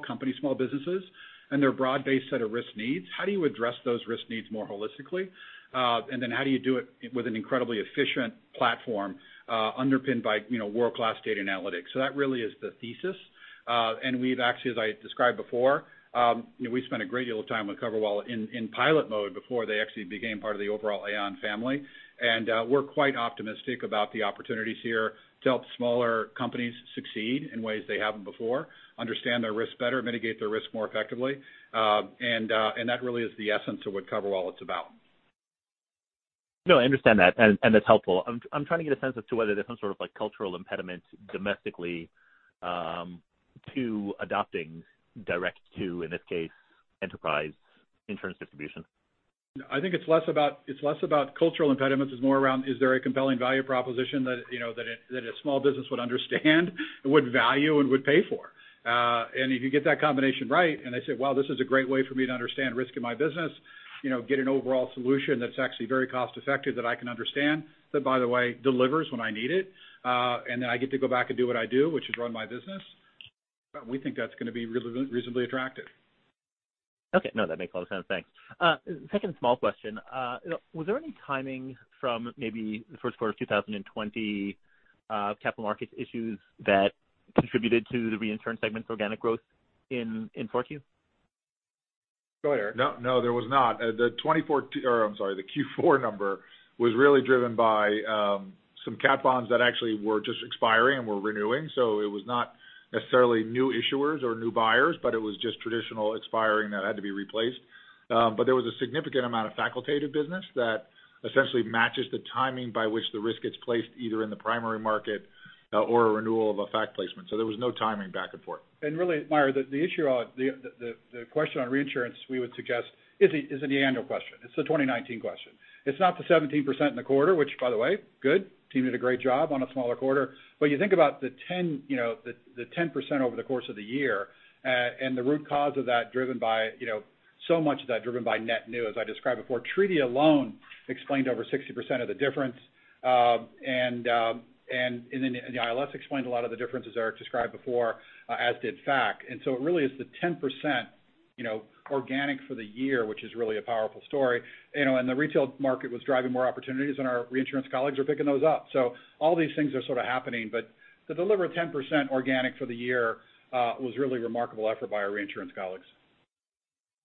companies, small businesses, and their broad-based set of risk needs, how do you address those risk needs more holistically? How do you do it with an incredibly efficient platform underpinned by world-class data analytics? That really is the thesis. We've actually, as I described before, we spent a great deal of time with CoverWallet in pilot mode before they actually became part of the overall Aon family. We're quite optimistic about the opportunities here to help smaller companies succeed in ways they haven't before, understand their risk better, mitigate their risk more effectively, and that really is the essence of what CoverWallet's about. I understand that, and that's helpful. I'm trying to get a sense as to whether there's some sort of cultural impediment domestically to adopting direct to, in this case, enterprise insurance distribution. I think it's less about cultural impediments. It's more around, is there a compelling value proposition that a small business would understand and would value and would pay for? If you get that combination right, and they say, "Wow, this is a great way for me to understand risk in my business, get an overall solution that's actually very cost-effective that I can understand, that, by the way, delivers when I need it, I get to go back and do what I do, which is run my business." We think that's going to be reasonably attractive. That makes a lot of sense. Thanks. Second small question. Was there any timing from maybe the first quarter of 2020 capital markets issues that contributed to the reinsurance segment's organic growth in 4Q? Go ahead, Eric. No, there was not. The Q4 number was really driven by some cat bonds that actually were just expiring and we're renewing. It was not necessarily new issuers or new buyers, but it was just traditional expiring that had to be replaced. There was a significant amount of facultative business that essentially matches the timing by which the risk gets placed, either in the primary market or a renewal of a FAC placement. There was no timing back and forth. Really, Meyer, the question on reinsurance, we would suggest, is an annual question. It's a 2019 question. It's not the 17% in the quarter, which by the way, good. Team did a great job on a smaller quarter. You think about the 10% over the course of the year, and the root cause of that driven by so much of that driven by net new, as I described before. Treaty alone explained over 60% of the difference. The ILS explained a lot of the differences Eric described before, as did FAC. It really is the 10% organic for the year which is really a powerful story. The retail market was driving more opportunities, and our reinsurance colleagues are picking those up. All these things are sort of happening, but to deliver 10% organic for the year was really remarkable effort by our reinsurance colleagues.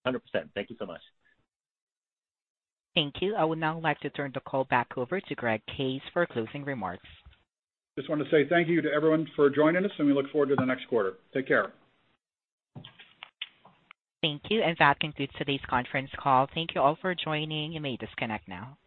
100%. Thank you so much. Thank you. I would now like to turn the call back over to Greg Case for closing remarks. Just want to say thank you to everyone for joining us, and we look forward to the next quarter. Take care. Thank you, and that concludes today's conference call. Thank you all for joining. You may disconnect now.